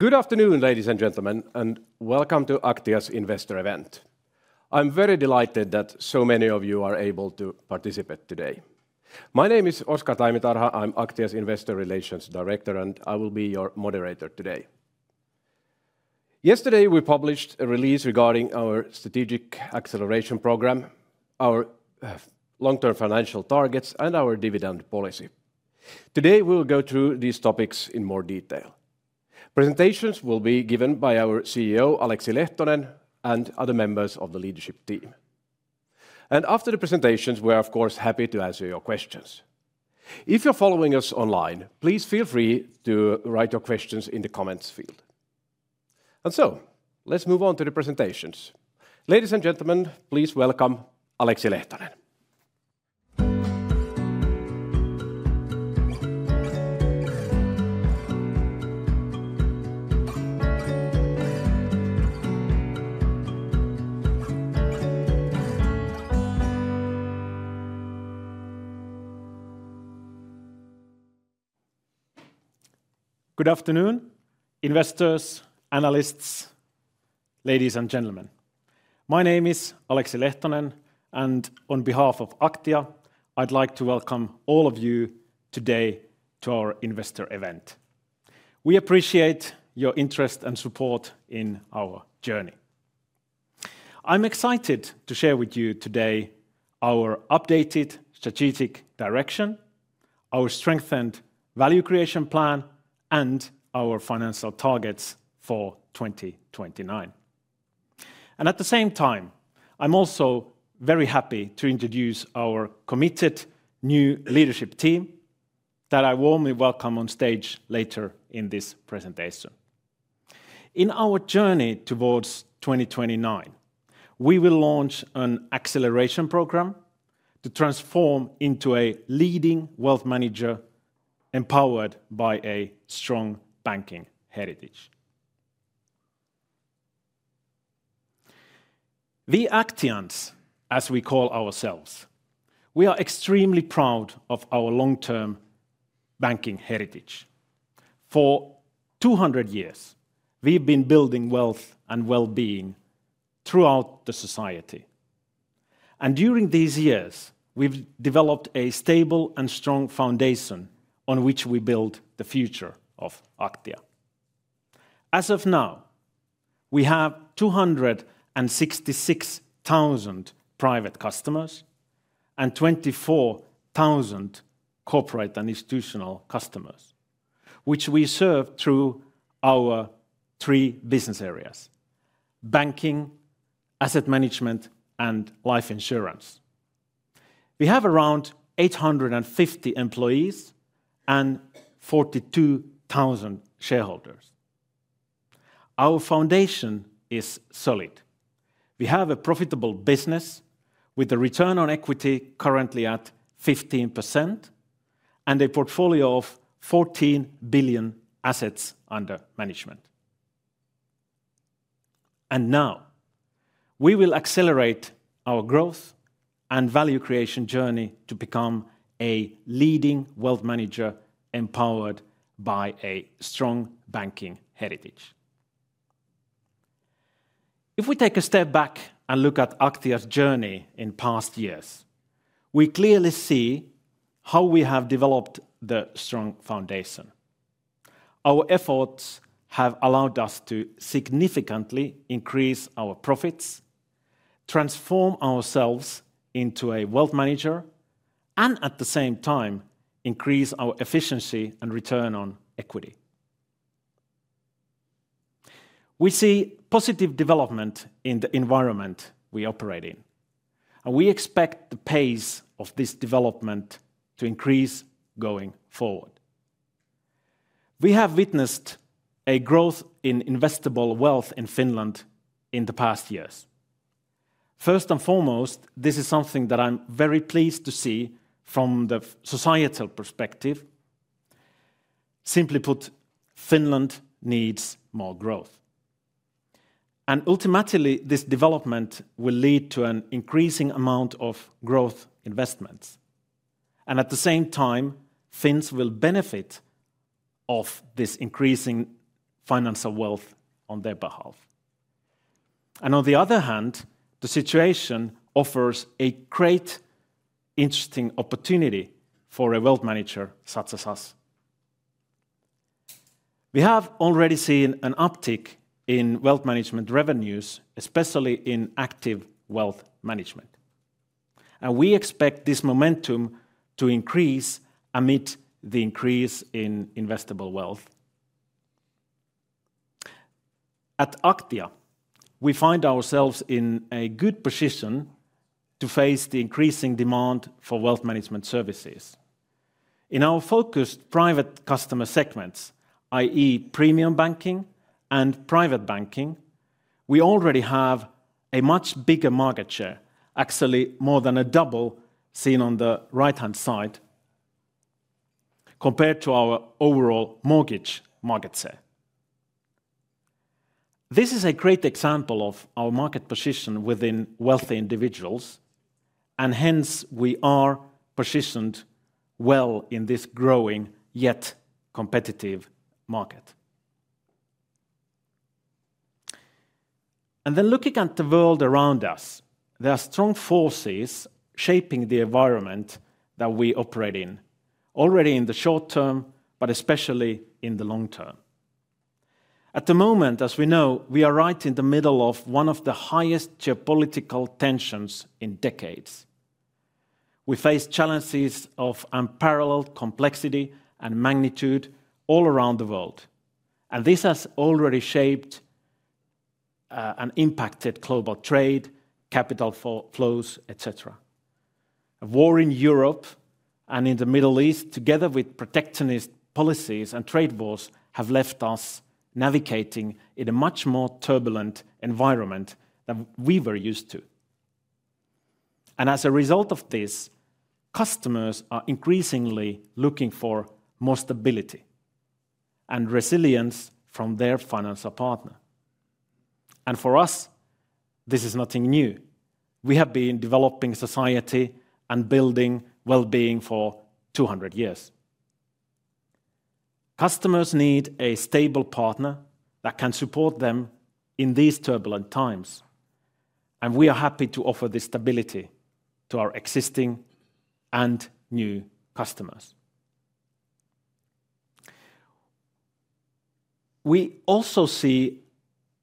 Good afternoon, ladies and gentlemen, and welcome to Aktia's investor event. I'm very delighted that so many of you are able to participate today. My name is Oscar Taimitarha. I'm Aktia's Investor Relations Director, and I will be your moderator today. Yesterday, we published a release regarding our strategic acceleration program, our long-term financial targets, and our dividend policy. Today, we'll go through these topics in more detail. Presentations will be given by our CEO, Aleksi Lehtonen, and other members of the leadership team. And after the presentations, we are, of course, happy to answer your questions. If you're following us online, please feel free to write your questions in the comments field. And so, let's move on to the presentations. Ladies and gentlemen, please welcome Aleksi Lehtonen. Good afternoon, investors, analysts, ladies and gentlemen. My name is Aleksi Lehtonen, and on behalf of Aktia, I'd like to welcome all of you today to our investor event. We appreciate your interest and support in our journey. I'm excited to share with you today our updated strategic direction, our strengthened value creation plan, and our financial targets for 2029, and at the same time, I'm also very happy to introduce our committed new leadership team that I warmly welcome on stage later in this presentation. In our journey towards 2029, we will launch an acceleration program to transform into a leading wealth manager empowered by a strong banking heritage. We Aktians, as we call ourselves, we are extremely proud of our long-term banking heritage. For 200 years, we've been building wealth and well-being throughout the society, and during these years, we've developed a stable and strong foundation on which we build the future of Aktia. As of now, we have 266,000 private customers and 24,000 corporate and institutional customers, which we serve through our three business areas: banking, asset management, and life insurance. We have around 850 employees and 42,000 shareholders. Our foundation is solid. We have a profitable business with a return on equity, currently at 15%, and a portfolio of 14 billion assets under management. Now, we will accelerate our growth and value creation journey to become a leading wealth manager empowered by a strong banking heritage. If we take a step back and look at Aktia's journey in past years, we clearly see how we have developed the strong foundation. Our efforts have allowed us to significantly increase our profits, transform ourselves into a wealth manager, and at the same time, increase our efficiency and return on equity. We see positive development in the environment we operate in, and we expect the pace of this development to increase going forward. We have witnessed a growth in investable wealth in Finland in the past years. First and foremost, this is something that I'm very pleased to see from the societal perspective. Simply put, Finland needs more growth, and ultimately, this development will lead to an increasing amount of growth investments, and at the same time, Finns will benefit from this increasing financial wealth on their behalf, and on the other hand, the situation offers a great, interesting opportunity for a wealth manager such as us. We have already seen an uptick in wealth management revenues, especially in active wealth management, and we expect this momentum to increase amid the increase in investable wealth. At Aktia, we find ourselves in a good position to face the increasing demand for wealth management services. In our focused private customer segments, i.e., premium banking and private banking, we already have a much bigger market share, actually more than a double seen on the right-hand side, compared to our overall mortgage market share. This is a great example of our market position within wealthy individuals, and hence we are positioned well in this growing yet competitive market. And then looking at the world around us, there are strong forces shaping the environment that we operate in, already in the short term, but especially in the long term. At the moment, as we know, we are right in the middle of one of the highest geopolitical tensions in decades. We face challenges of unparalleled complexity and magnitude all around the world. This has already shaped and impacted global trade, capital flows, etc. A war in Europe and in the Middle East, together with protectionist policies and trade wars, have left us navigating in a much more turbulent environment than we were used to. As a result of this, customers are increasingly looking for more stability and resilience from their financial partner. For us, this is nothing new. We have been developing society and building well-being for 200 years. Customers need a stable partner that can support them in these turbulent times. We are happy to offer this stability to our existing and new customers. We also see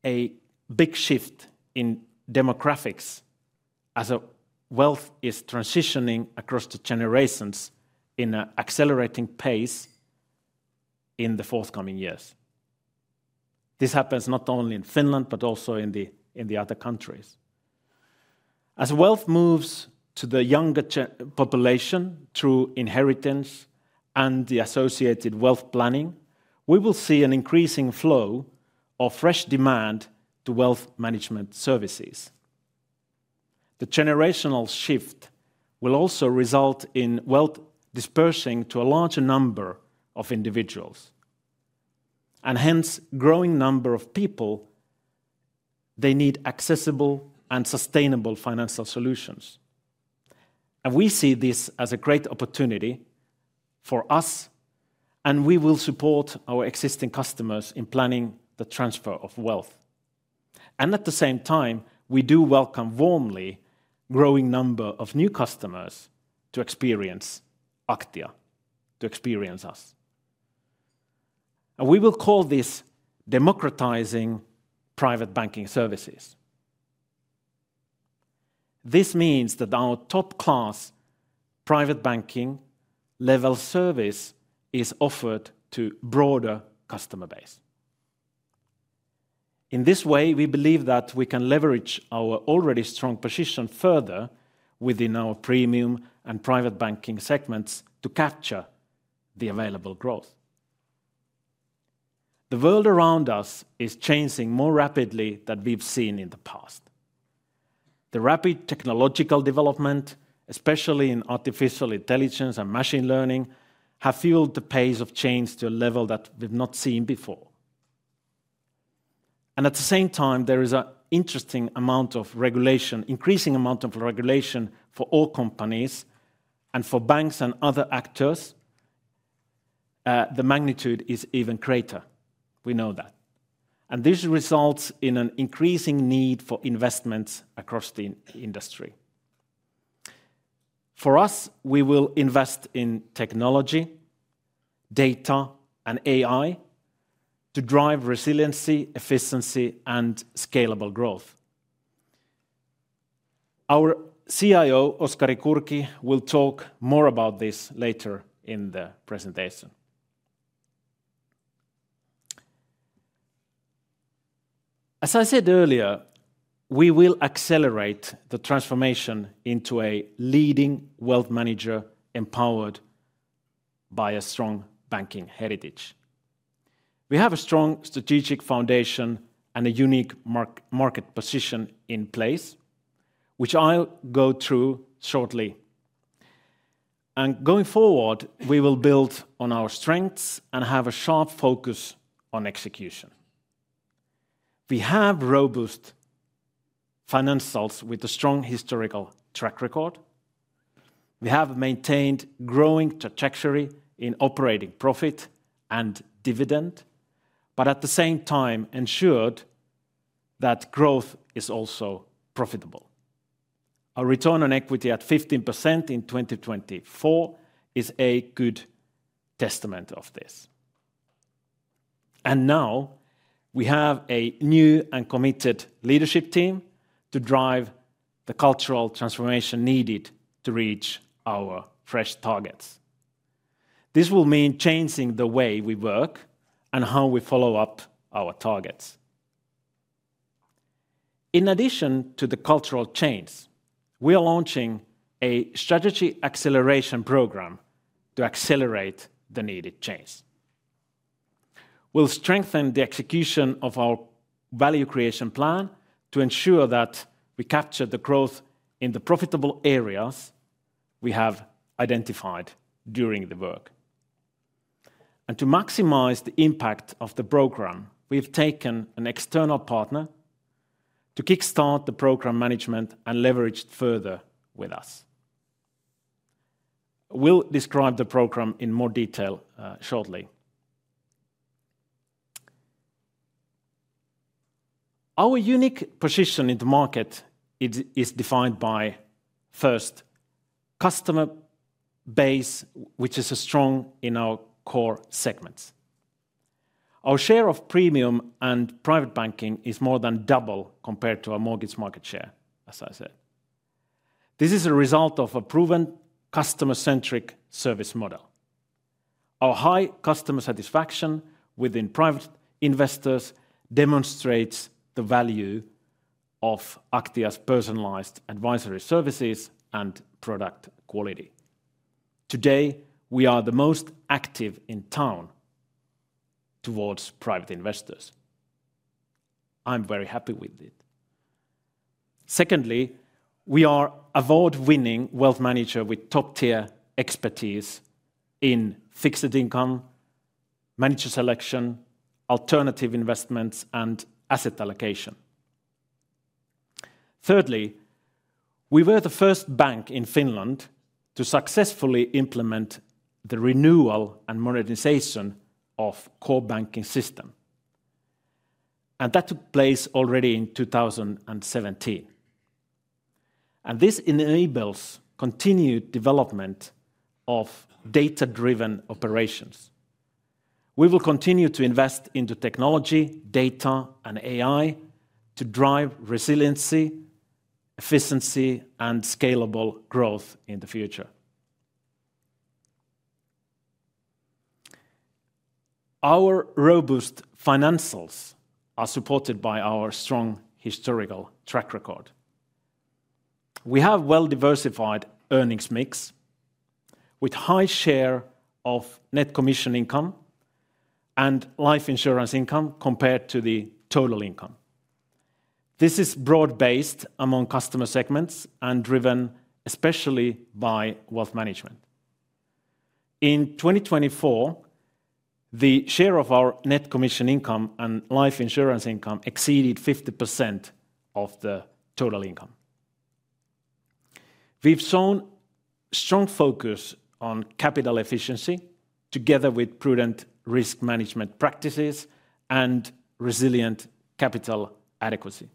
a big shift in demographics as wealth is transitioning across the generations in an accelerating pace in the forthcoming years. This happens not only in Finland, but also in the other countries. As wealth moves to the younger population through inheritance and the associated wealth planning, we will see an increasing flow of fresh demand to wealth management services. The generational shift will also result in wealth dispersing to a larger number of individuals, and hence, a growing number of people, they need accessible and sustainable financial solutions, and we see this as a great opportunity for us, and we will support our existing customers in planning the transfer of wealth, and at the same time, we do welcome warmly a growing number of new customers to experience Aktia, to experience us, and we will call this democratizing private banking services. This means that our top-class private banking level service is offered to a broader customer base. In this way, we believe that we can leverage our already strong position further within our premium and private banking segments to capture the available growth. The world around us is changing more rapidly than we've seen in the past. The rapid technological development, especially in artificial intelligence and machine learning, has fueled the pace of change to a level that we've not seen before, and at the same time, there is an interesting amount of regulation, increasing amount of regulation for all companies and for banks and other actors. The magnitude is even greater. We know that, and this results in an increasing need for investments across the industry. For us, we will invest in technology, data, and AI to drive resiliency, efficiency, and scalable growth. Our CIO, Oskari Kurki, will talk more about this later in the presentation. As I said earlier, we will accelerate the transformation into a leading wealth manager empowered by a strong banking heritage. We have a strong strategic foundation and a unique market position in place, which I'll go through shortly, and going forward, we will build on our strengths and have a sharp focus on execution. We have robust financials with a strong historical track record. We have maintained a growing trajectory in operating profit and dividend, but at the same time, ensured that growth is also profitable. Our return on equity, at 15%, in 2024 is a good testament to this, and now, we have a new and committed leadership team to drive the cultural transformation needed to reach our fresh targets. This will mean changing the way we work and how we follow up our targets. In addition to the cultural change, we are launching a strategy acceleration program to accelerate the needed change. We'll strengthen the execution of our value creation plan to ensure that we capture the growth in the profitable areas we have identified during the work. And to maximize the impact of the program, we've taken an external partner to kickstart the program management and leverage it further with us. We'll describe the program in more detail shortly. Our unique position in the market is defined by, first, customer base, which is strong in our core segments. Our share of premium and private banking is more than double compared to our mortgage market share, as I said. This is a result of a proven customer-centric service model. Our high customer satisfaction within private investors demonstrates the value of Aktia's personalized advisory services and product quality. Today, we are the most active in town towards private investors. I'm very happy with it. Secondly, we are an award-winning wealth manager with top-tier expertise in fixed income, manager selection, alternative investments, and asset allocation. Thirdly, we were the first bank in Finland to successfully implement the renewal and modernization of the core banking system, and that took place already in 2017, and this enables continued development of data-driven operations. We will continue to invest into technology, data, and AI to drive resiliency, efficiency, and scalable growth in the future. Our robust financials are supported by our strong historical track record. We have a well-diversified earnings mix with a high share of net commission income and life insurance income, compared to the total income. This is broad-based among customer segments and driven especially by wealth management. In 2024, the share of our net commission income and life insurance income, exceeded 50%, of the total income. We've shown strong focus on capital efficiency together with prudent risk management practices and resilient capital adequacy.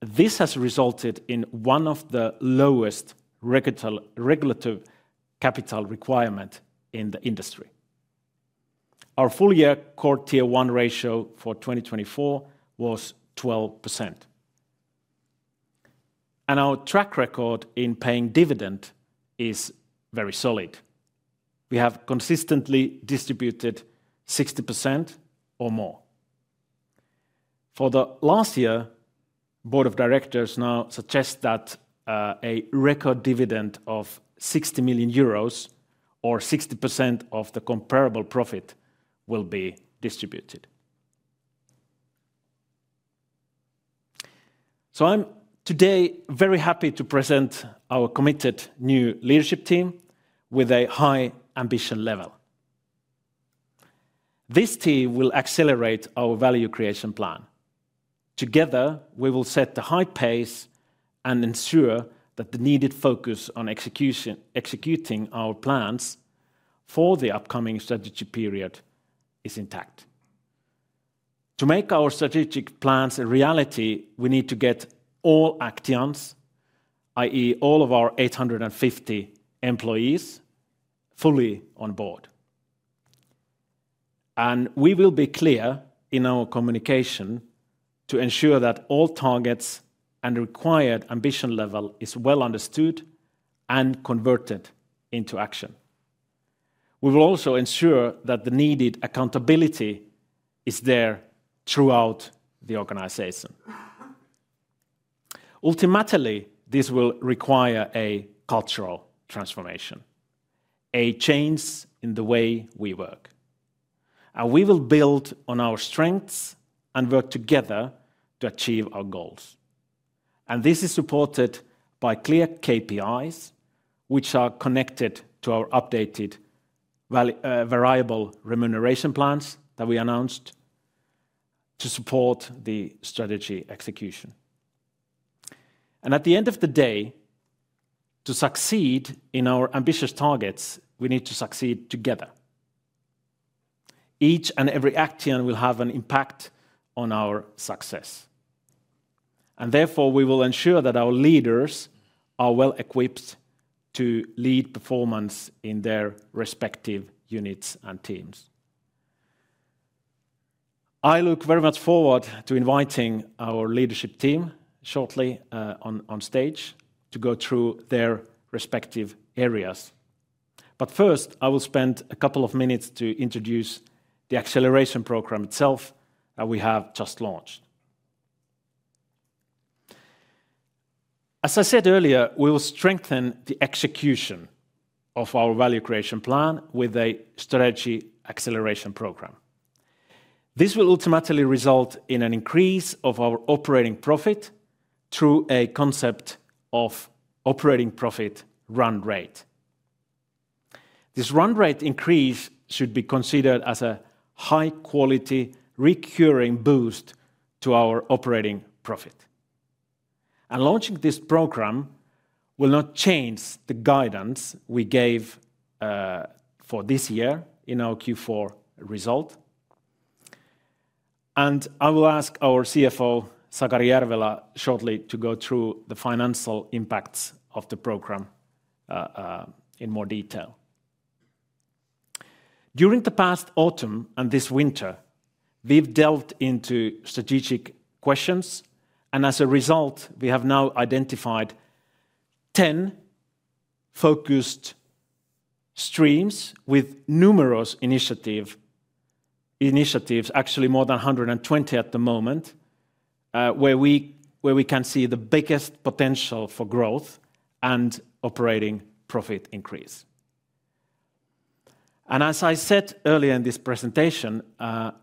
This has resulted in one of the lowest regulatory capital requirements in the industry. Our full-year Core Tier 1 ratio, for 2024 was 12%, and our track record in paying dividend is very solid. We have consistently distributed 60% or more. For the last year, the board of directors now suggests that a record dividend of 60 million euros, or 60% of the comparable profit, will be distributed, so I'm today very happy to present our committed new leadership team with a high ambition level. This team will accelerate our value creation plan. Together, we will set a high pace and ensure that the needed focus on executing our plans for the upcoming strategy period is intact. To make our strategic plans a reality, we need to get all Aktia's, i.e., all of our 850 employees, fully on board. And we will be clear in our communication to ensure that all targets and the required ambition level are well understood and converted into action. We will also ensure that the needed accountability is there throughout the organization. Ultimately, this will require a cultural transformation, a change in the way we work. And we will build on our strengths and work together to achieve our goals. And this is supported by clear KPIs, which are connected to our updated variable remuneration plans that we announced to support the strategy execution. And at the end of the day, to succeed in our ambitious targets, we need to succeed together. Each and every Aktia will have an impact on our success. And therefore, we will ensure that our leaders are well equipped to lead performance in their respective units and teams. I look very much forward to inviting our leadership team shortly on stage to go through their respective areas. But first, I will spend a couple of minutes to introduce the acceleration program itself that we have just launched. As I said earlier, we will strengthen the execution of our value creation plan with a strategy acceleration program. This will ultimately result in an increase of our operating profit through a concept of operating profit run rate. This run rate increase should be considered as a high-quality recurring boost to our operating profit. Launching this program will not change the guidance we gave for this year in our Q4 result. I will ask our CFO, Sakari Järvelä, shortly to go through the financial impacts of the program in more detail. During the past autumn and this winter, we've delved into strategic questions. As a result, we have now identified 10 focused streams with numerous initiatives, actually more than 120 at the moment, where we can see the biggest potential for growth and operating profit increase. As I said earlier in this presentation,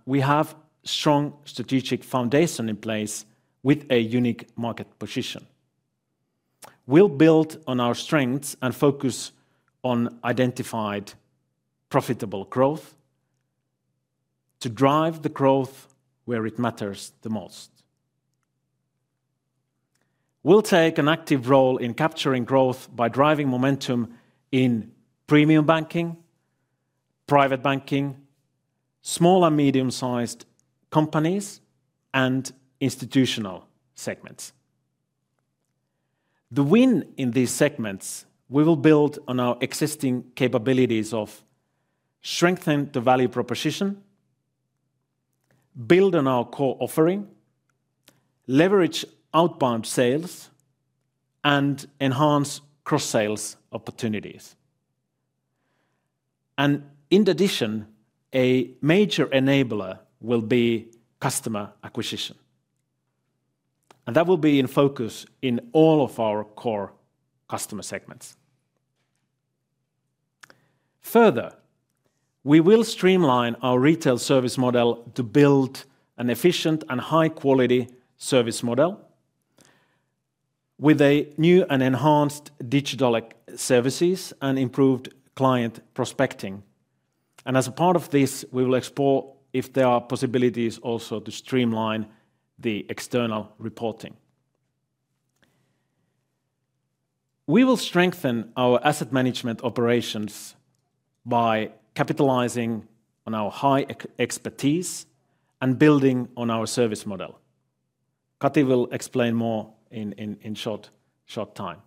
we have a strong strategic foundation in place with a unique market position. We'll build on our strengths and focus on identified profitable growth to drive the growth where it matters the most. We'll take an active role in capturing growth by driving momentum in premium banking, private banking, small and medium-sized companies, and institutional segments. The win in these segments, we will build on our existing capabilities of strengthening the value proposition, build on our core offering, leverage outbound sales, and enhance cross-sales opportunities, and in addition, a major enabler will be customer acquisition, and that will be in focus in all of our core customer segments. Further, we will streamline our retail service model to build an efficient and high-quality service model with new and enhanced digital services and improved client prospecting, and as a part of this, we will explore if there are possibilities also to streamline the external reporting. We will strengthen our asset management operations by capitalizing on our high expertise and building on our service model. Kati will explain more in short time.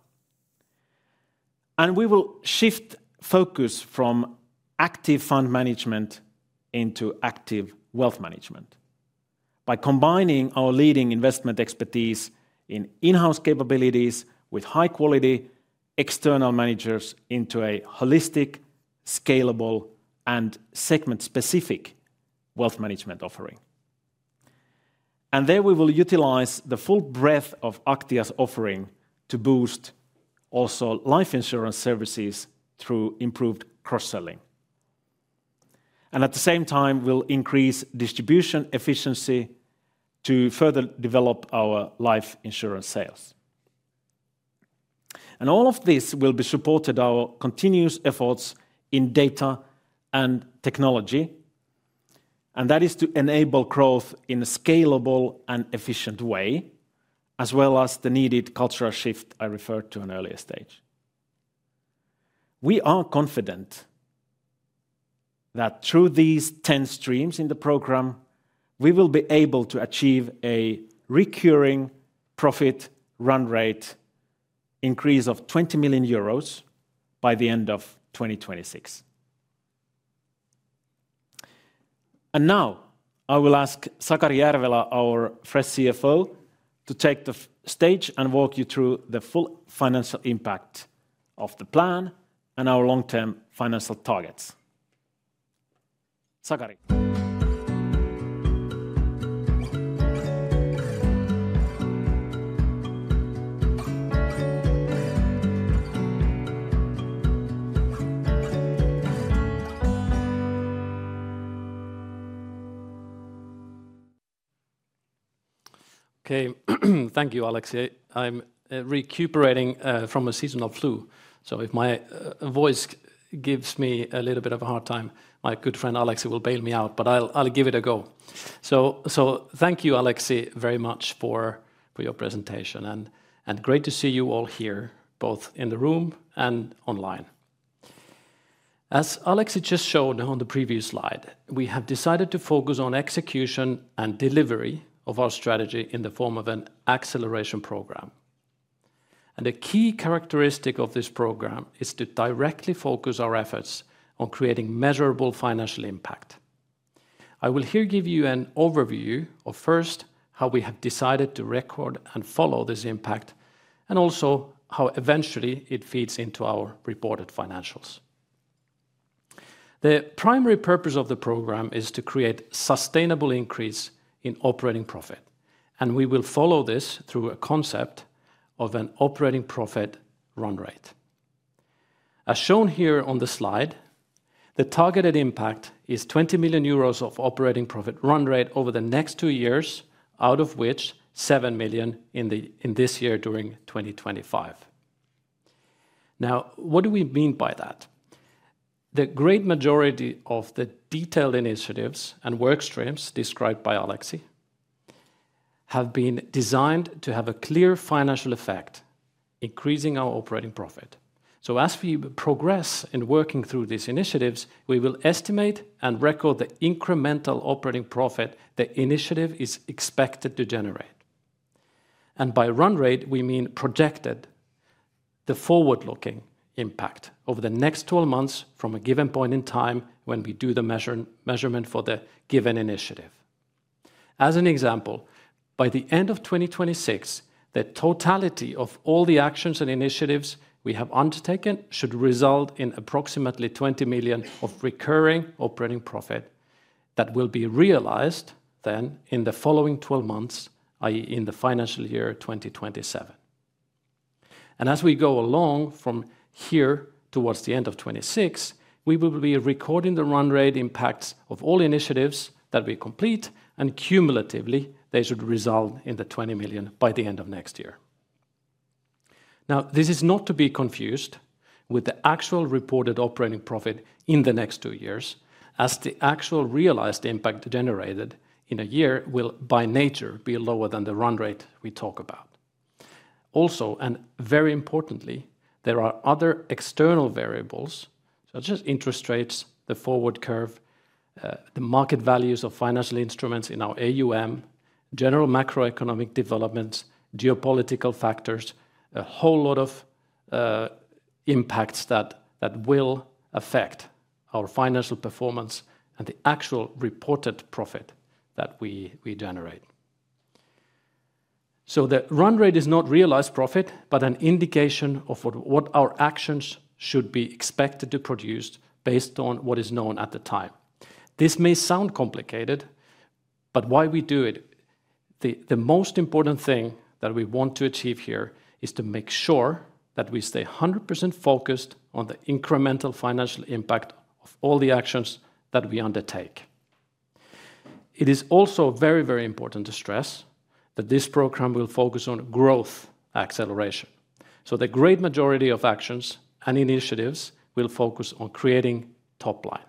We will shift focus from active fund management into active wealth management by combining our leading investment expertise in in-house capabilities with high-quality external managers into a holistic, scalable, and segment-specific wealth management offering. There we will utilize the full breadth of Aktia's offering to boost also life insurance services through improved cross-selling. At the same time, we'll increase distribution efficiency to further develop our life insurance sales. All of this will be supported by our continuous efforts in data and technology. That is to enable growth in a scalable and efficient way, as well as the needed cultural shift I referred to in earlier stage. We are confident that through these 10 streams in the program, we will be able to achieve a recurring profit run rate increase of 20 million euros, by the end of 2026. And now, I will ask Sakari Järvelä, our fresh CFO, to take the stage and walk you through the full financial impact of the plan and our long-term financial targets. Sakari. Okay, thank you, Aleksi. I'm recuperating from a seasonal flu. So if my voice gives me a little bit of a hard time, my good friend Aleksi will bail me out, but I'll give it a go. So thank you, Aleksi, very much for your presentation. And great to see you all here, both in the room and online. As Aleksi just showed on the previous slide, we have decided to focus on execution and delivery of our strategy in the form of an acceleration program. And a key characteristic of this program is to directly focus our efforts on creating measurable financial impact. I will here give you an overview of first how we have decided to record and follow this impact, and also how eventually it feeds into our reported financials. The primary purpose of the program is to create a sustainable increase in operating profit. And we will follow this through a concept of an operating profit run rate. As shown here on the slide, the targeted impact is 20 million euros, of operating profit run rate, over the next two years, out of which 7 million, in this year during 2025. Now, what do we mean by that? The great majority of the detailed initiatives and work streams described by Aleksi, have been designed to have a clear financial effect, increasing our operating profit. So as we progress in working through these initiatives, we will estimate and record the incremental operating profit the initiative is expected to generate. By run rate, we mean projected the forward-looking impact over the next 12 months from a given point in time when we do the measurement for the given initiative. As an example, by the end of 2026, the totality of all the actions and initiatives we have undertaken should result in approximately 20 million, of recurring operating profit, that will be realized then in the following 12 months, i.e., in the financial year 2027. As we go along from here towards the end of 2026, we will be recording the run rate, impacts of all initiatives that we complete, and cumulatively, they should result in the 20 million, by the end of next year. Now, this is not to be confused with the actual reported operating profit in the next two years, as the actual realized impact generated in a year will by nature be lower than the run rate we talk about. Also, and very importantly, there are other external variables, such as interest rates, the forward curve, the market values of financial instruments in our AUM, general macroeconomic developments, geopolitical factors, a whole lot of impacts that will affect our financial performance and the actual reported profit that we generate. So the run rate is not realized profit, but an indication of what our actions should be expected to produce based on what is known at the time. This may sound complicated, but why we do it, the most important thing that we want to achieve here is to make sure that we stay 100%, focused on the incremental financial impact of all the actions that we undertake. It is also very, very important to stress that this program will focus on growth acceleration, so the great majority of actions and initiatives will focus on creating top line.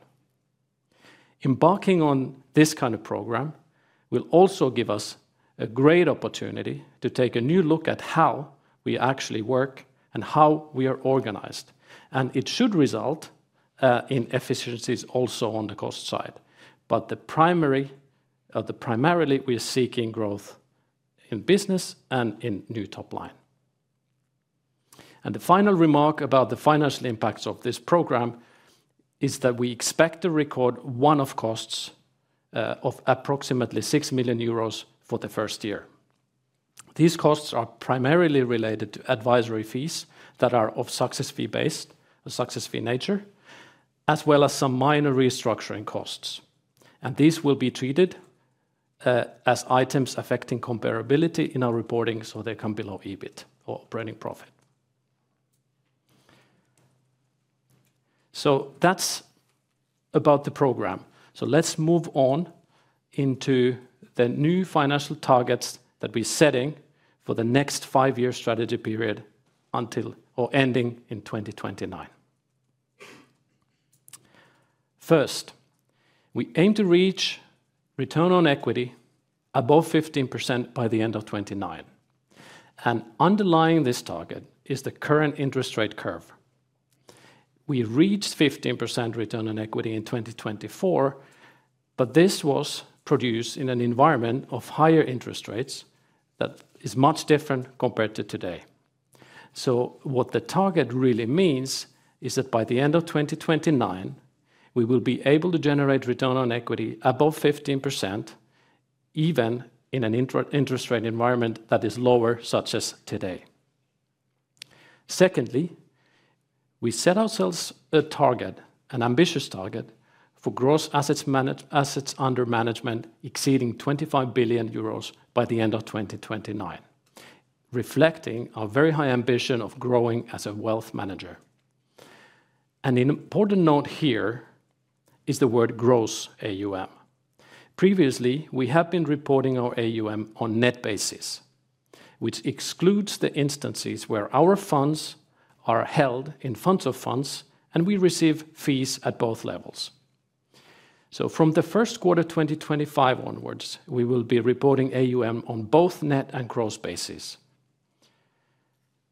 Embarking on this kind of program will also give us a great opportunity to take a new look at how we actually work and how we are organized, and it should result in efficiencies also on the cost side, but primarily, we are seeking growth in business and in new top line. The final remark about the financial impacts of this program is that we expect to record one-off costs of approximately 6 million euros, for the first year. These costs are primarily related to advisory fees that are of success fee-based or success fee nature, as well as some minor restructuring costs, and these will be treated as items affecting comparability in our reporting, so they come below EBIT or operating profit, so that's about the program. Let's move on into the new financial targets that we're setting for the next five-year strategy period until or ending in 2029. First, we aim to reach return on equity, above 15%, by the end of 2029, underlying this target is the current interest rate curve. We reached 15%, return on equity, in 2024, but this was produced in an environment of higher interest rates that is much different compared to today. So what the target really means is that by the end of 2029, we will be able to generate return on equity above 15%, even in an interest rate environment that is lower, such as today. Secondly, we set ourselves a target, an ambitious target for gross assets under management exceeding 25 billion euros, by the end of 2029, reflecting our very high ambition of growing as a wealth manager. An important note here is the word gross AUM. Previously, we have been reporting our AUM on net basis, which excludes the instances where our funds are held in funds of funds and we receive fees at both levels. From the first quarter of 2025 onwards, we will be reporting AUM on both net and gross basis.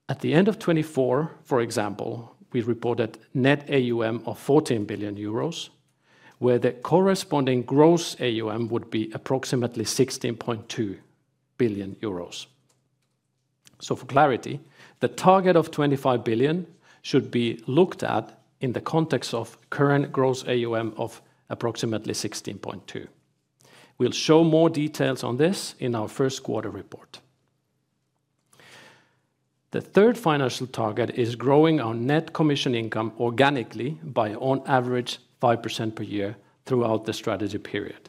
At the end of 2024, for example, we reported net AUM of 14 billion euros, where the corresponding gross AUM would be approximately 16.2 billion euros. For clarity, the target of 25 billion, should be looked at in the context of current gross AUM of approximately 16.2 billion. We'll show more details on this in our first quarter report. The third financial target is growing our net commission income, organically by on average 5%, per year throughout the strategy period,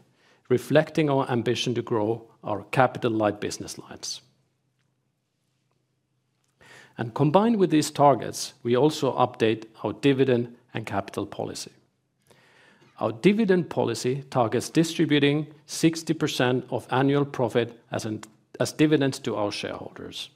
reflecting our ambition to grow our capital-like business lines. Combined with these targets, we also update our dividend and capital policy. Our dividend policy targets distributing 60%, of annual profit as dividends to our shareholders.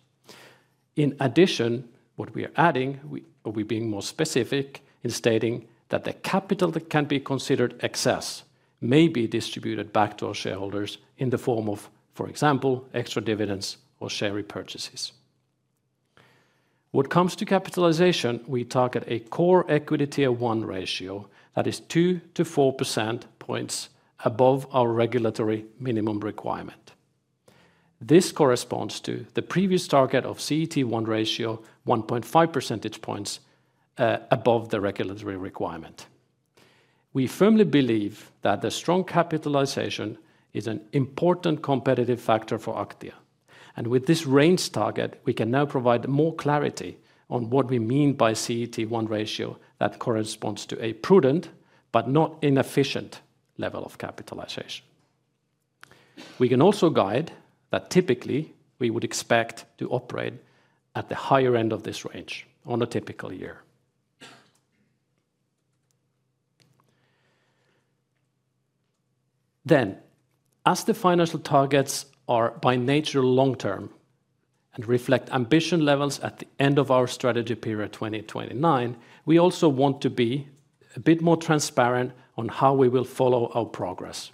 In addition, what we are adding, or we're being more specific in stating that the capital that can be considered excess may be distributed back to our shareholders in the form of, for example, extra dividends or share repurchases. What comes to capitalization, we target a Core Equity Tier 1 ratio, that is 2-4 percentage points, above our regulatory minimum requirement. This corresponds to the previous target of CET1 ratio, 1.5 percentage points, above the regulatory requirement. We firmly believe that the strong capitalization is an important competitive factor for Aktia. And with this range target, we can now provide more clarity on what we mean by CET1 ratio that corresponds to a prudent but not inefficient level of capitalization. We can also guide that typically we would expect to operate at the higher end of this range on a typical year. Then, as the financial targets are by nature long-term and reflect ambition levels at the end of our strategy period 2029, we also want to be a bit more transparent on how we will follow our progress.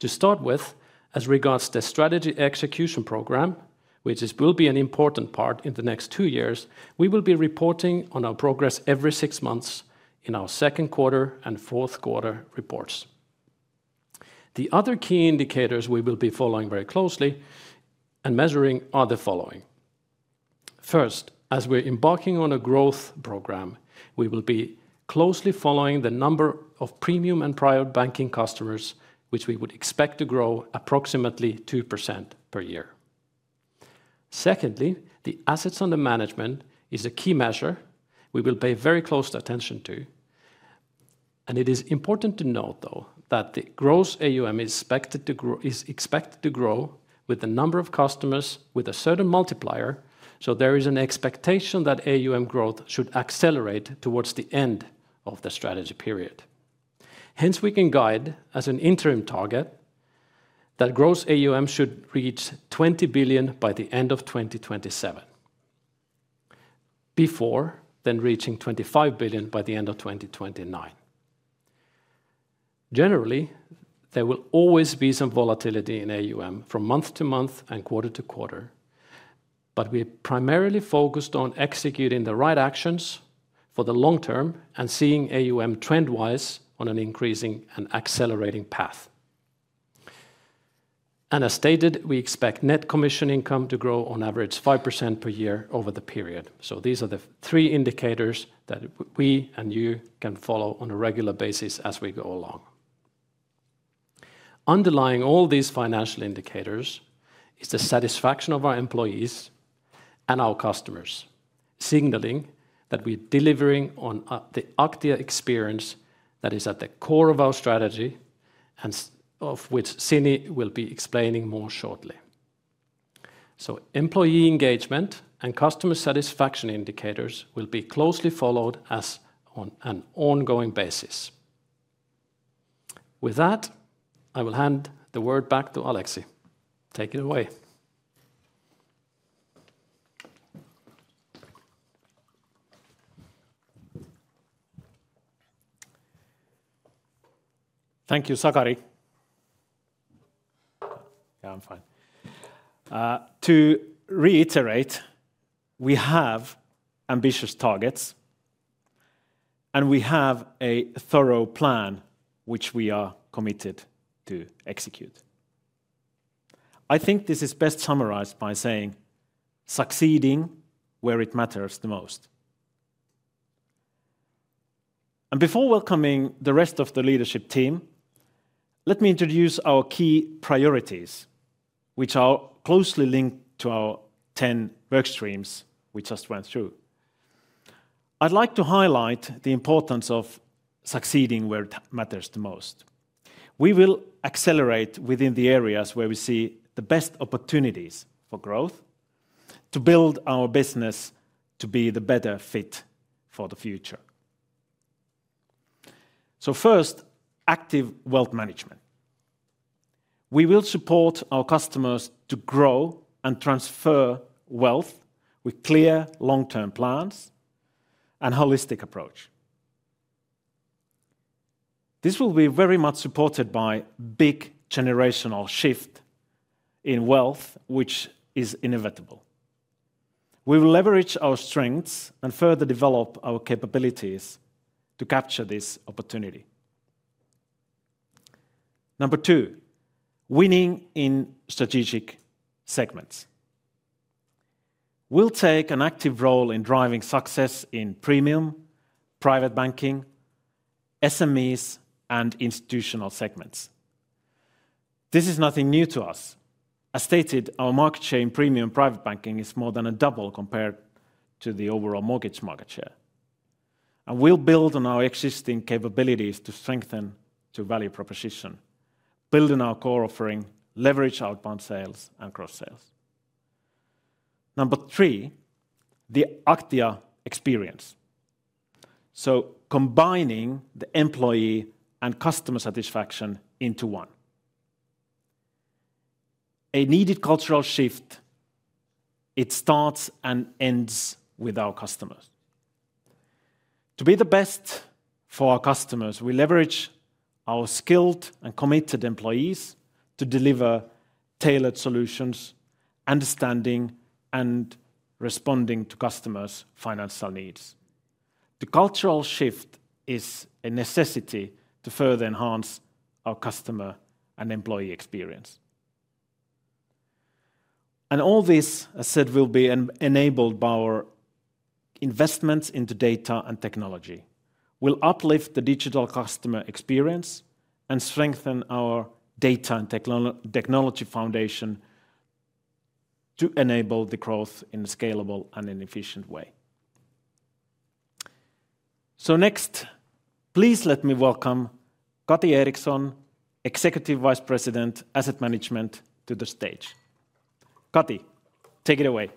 To start with, as regards the strategy execution program, which will be an important part in the next two years, we will be reporting on our progress every six months in our second quarter and fourth quarter reports. The other key indicators we will be following very closely and measuring are the following. First, as we're embarking on a growth program, we will be closely following the number of premium and private banking customers, which we would expect to grow approximately 2% per year. Secondly, the assets under management, is a key measure we will pay very close attention to. It is important to note, though, that the Gross AUM, is expected to grow with the number of customers with a certain multiplier. There is an expectation that AUM growth should accelerate towards the end of the strategy period. Hence, we can guide as an interim target that Gross AUM, should reach 20 billion, by the end of 2027, before then reaching 25 billion, by the end of 2029. Generally, there will always be some volatility in AUM from month to month and quarter to quarter, but we are primarily focused on executing the right actions for the long term and seeing AUM trend-wise on an increasing and accelerating path. As stated, we expect Net Commission Income, to grow on average 5%, per year over the period. These are the three indicators that we and you can follow on a regular basis as we go along. Underlying all these financial indicators is the satisfaction of our employees and our customers, signaling that we are delivering on the Aktia Experience that is at the core of our strategy, and of which Sini will be explaining more shortly. So employee engagement and customer satisfaction indicators will be closely followed as on an ongoing basis. With that, I will hand the word back to Aleksi. Take it away. Thank you, Sakari. Yeah, I'm fine. To reiterate, we have ambitious targets, and we have a thorough plan, which we are committed to execute. I think this is best summarized by saying succeeding where it matters the most. And before welcoming the rest of the leadership team, let me introduce our key priorities, which are closely linked to our 10 work streams we just went through. I'd like to highlight the importance of succeeding where it matters the most. We will accelerate within the areas where we see the best opportunities for growth to build our business to be the better fit for the future. So first, active wealth management. We will support our customers to grow and transfer wealth with clear long-term plans and a holistic approach. This will be very much supported by a big generational shift in wealth, which is inevitable. We will leverage our strengths and further develop our capabilities to capture this opportunity. Number two, winning in strategic segments. We'll take an active role in driving success in premium, private banking, SMEs, and institutional segments. This is nothing new to us. As stated, our market share in premium private banking is more than a double compared to the overall mortgage market share. And we'll build on our existing capabilities to strengthen the value proposition, building our core offering, leverage outbound sales and cross-sales. Number three, the Aktia Experience. So combining the employee and customer satisfaction into one. A needed cultural shift. It starts and ends with our customers. To be the best for our customers, we leverage our skilled and committed employees to deliver tailored solutions, understanding, and responding to customers' financial needs. The cultural shift is a necessity to further enhance our customer and employee experience. And all this, as said, will be enabled by our investments into data and technology. We'll uplift the digital customer experience and strengthen our data and technology foundation to enable the growth in a scalable and an efficient way. So next, please let me welcome Kati Eriksson, Executive Vice President, Asset Management, to the stage. Kati, take it away.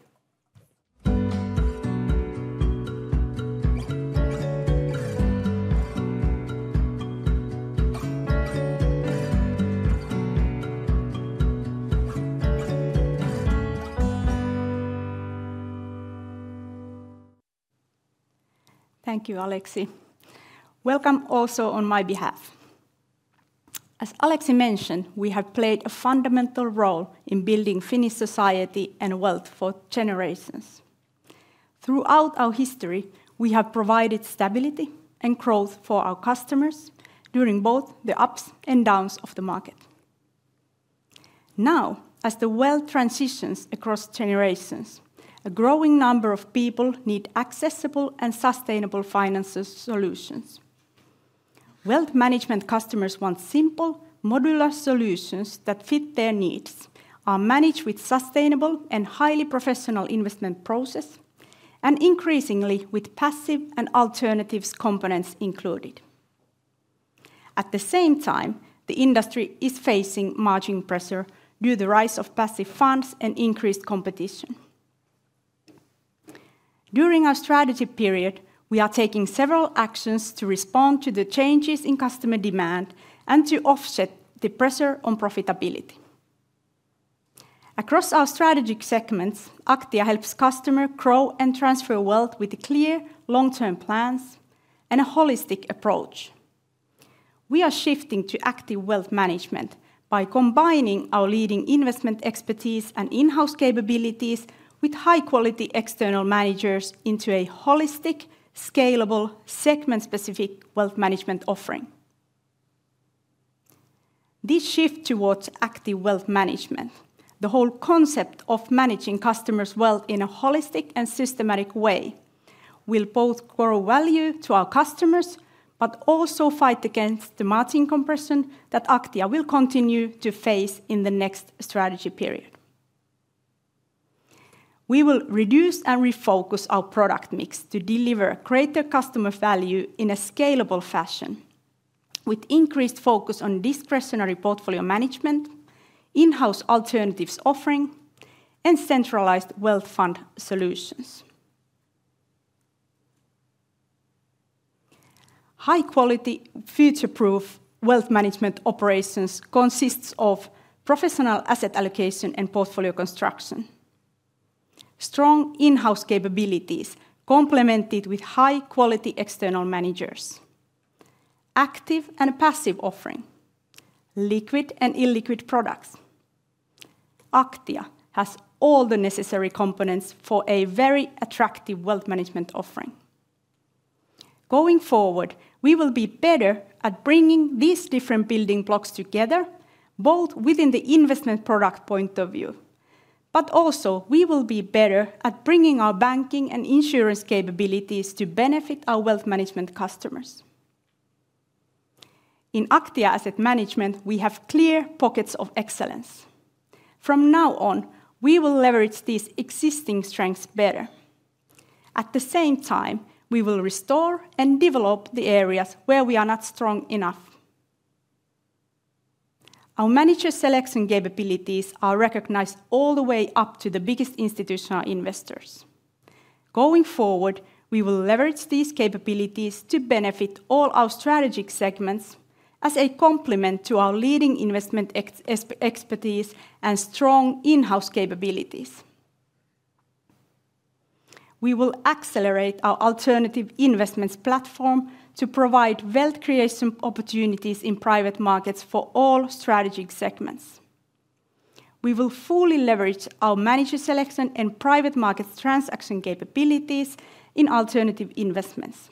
Thank you, Aleksi. Welcome also on my behalf. As Aleksi mentioned, we have played a fundamental role in building Finnish society and wealth for generations. Throughout our history, we have provided stability and growth for our customers during both the ups and downs of the market. Now, as the wealth transitions across generations, a growing number of people need accessible and sustainable financial solutions. Wealth management customers want simple, modular solutions that fit their needs, are managed with sustainable and highly professional investment processes, and increasingly with passive and alternative components included. At the same time, the industry is facing margin pressure due to the rise of passive funds and increased competition. During our strategy period, we are taking several actions to respond to the changes in customer demand and to offset the pressure on profitability. Across our strategic segments, Aktia helps customers grow and transfer wealth with clear long-term plans and a holistic approach. We are shifting to active wealth management by combining our leading investment expertise and in-house capabilities with high-quality external managers into a holistic, scalable, segment-specific wealth management offering. This shift towards active wealth management, the whole concept of managing customers' wealth in a holistic and systematic way, will both grow value to our customers, but also fight against the margin compression that Aktia will continue to face in the next strategy period. We will reduce and refocus our product mix to deliver greater customer value in a scalable fashion, with increased focus on discretionary portfolio management, in-house alternatives offering, and centralized wealth fund solutions. High-quality, future-proof wealth management operations consist of professional asset allocation and portfolio construction, strong in-house capabilities complemented with high-quality external managers, active and passive offering, liquid and illiquid products. Aktia has all the necessary components for a very attractive wealth management offering. Going forward, we will be better at bringing these different building blocks together, both within the investment product point of view, but also we will be better at bringing our banking and insurance capabilities to benefit our wealth management customers. In Aktia Asset Management, we have clear pockets of excellence. From now on, we will leverage these existing strengths better. At the same time, we will restore and develop the areas where we are not strong enough. Our manager selection capabilities are recognized all the way up to the biggest institutional investors. Going forward, we will leverage these capabilities to benefit all our strategic segments as a complement to our leading investment expertise and strong in-house capabilities. We will accelerate our alternative investments platform to provide wealth creation opportunities in private markets for all strategic segments. We will fully leverage our manager selection and private market transaction capabilities in alternative investments.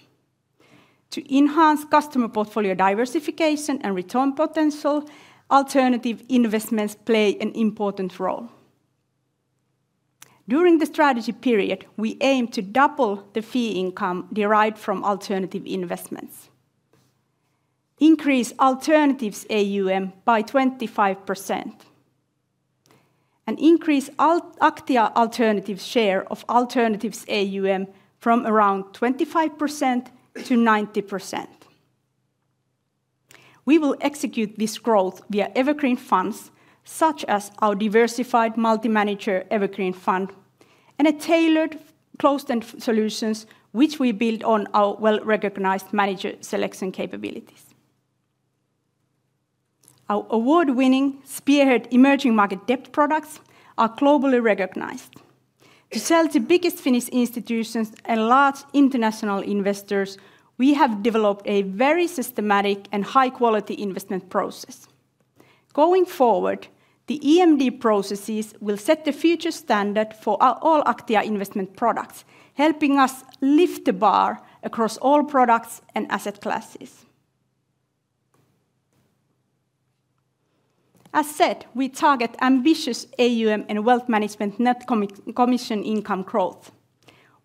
To enhance customer portfolio diversification and return potential, alternative investments play an important role. During the strategy period, we aim to double the fee income derived from alternative investments, increase Alternatives AUM by 25%, and increase Aktia Alternatives share of Alternatives AUM from around 25% to 90%. We will execute this growth via evergreen funds, such as our diversified multi-manager evergreen fund and tailored closed-end solutions, which we build on our well-recognized manager selection capabilities. Our award-winning spearhead emerging market debt products are globally recognized. To sell to biggest Finnish institutions and large international investors, we have developed a very systematic and high-quality investment process. Going forward, the EMD processes will set the future standard for all Aktia investment products, helping us lift the bar across all products and asset classes. As said, we target ambitious AUM and wealth management net commission income growth.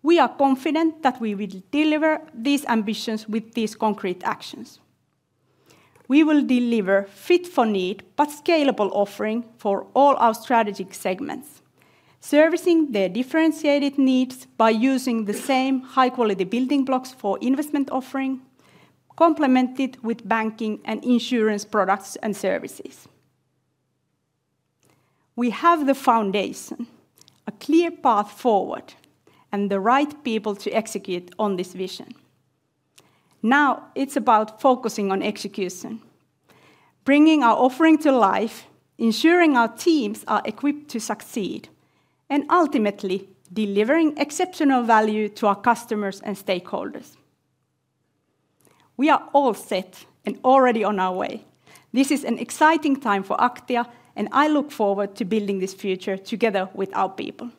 We are confident that we will deliver these ambitions with these concrete actions. We will deliver fit-for-need but scalable offering for all our strategic segments, servicing their differentiated needs by using the same high-quality building blocks for investment offering, complemented with banking and insurance products and services. We have the foundation, a clear path forward, and the right people to execute on this vision. Now it's about focusing on execution, bringing our offering to life, ensuring our teams are equipped to succeed, and ultimately delivering exceptional value to our customers and stakeholders. We are all set and already on our way. This is an exciting time for Aktia, and I look forward to building this future together with our people.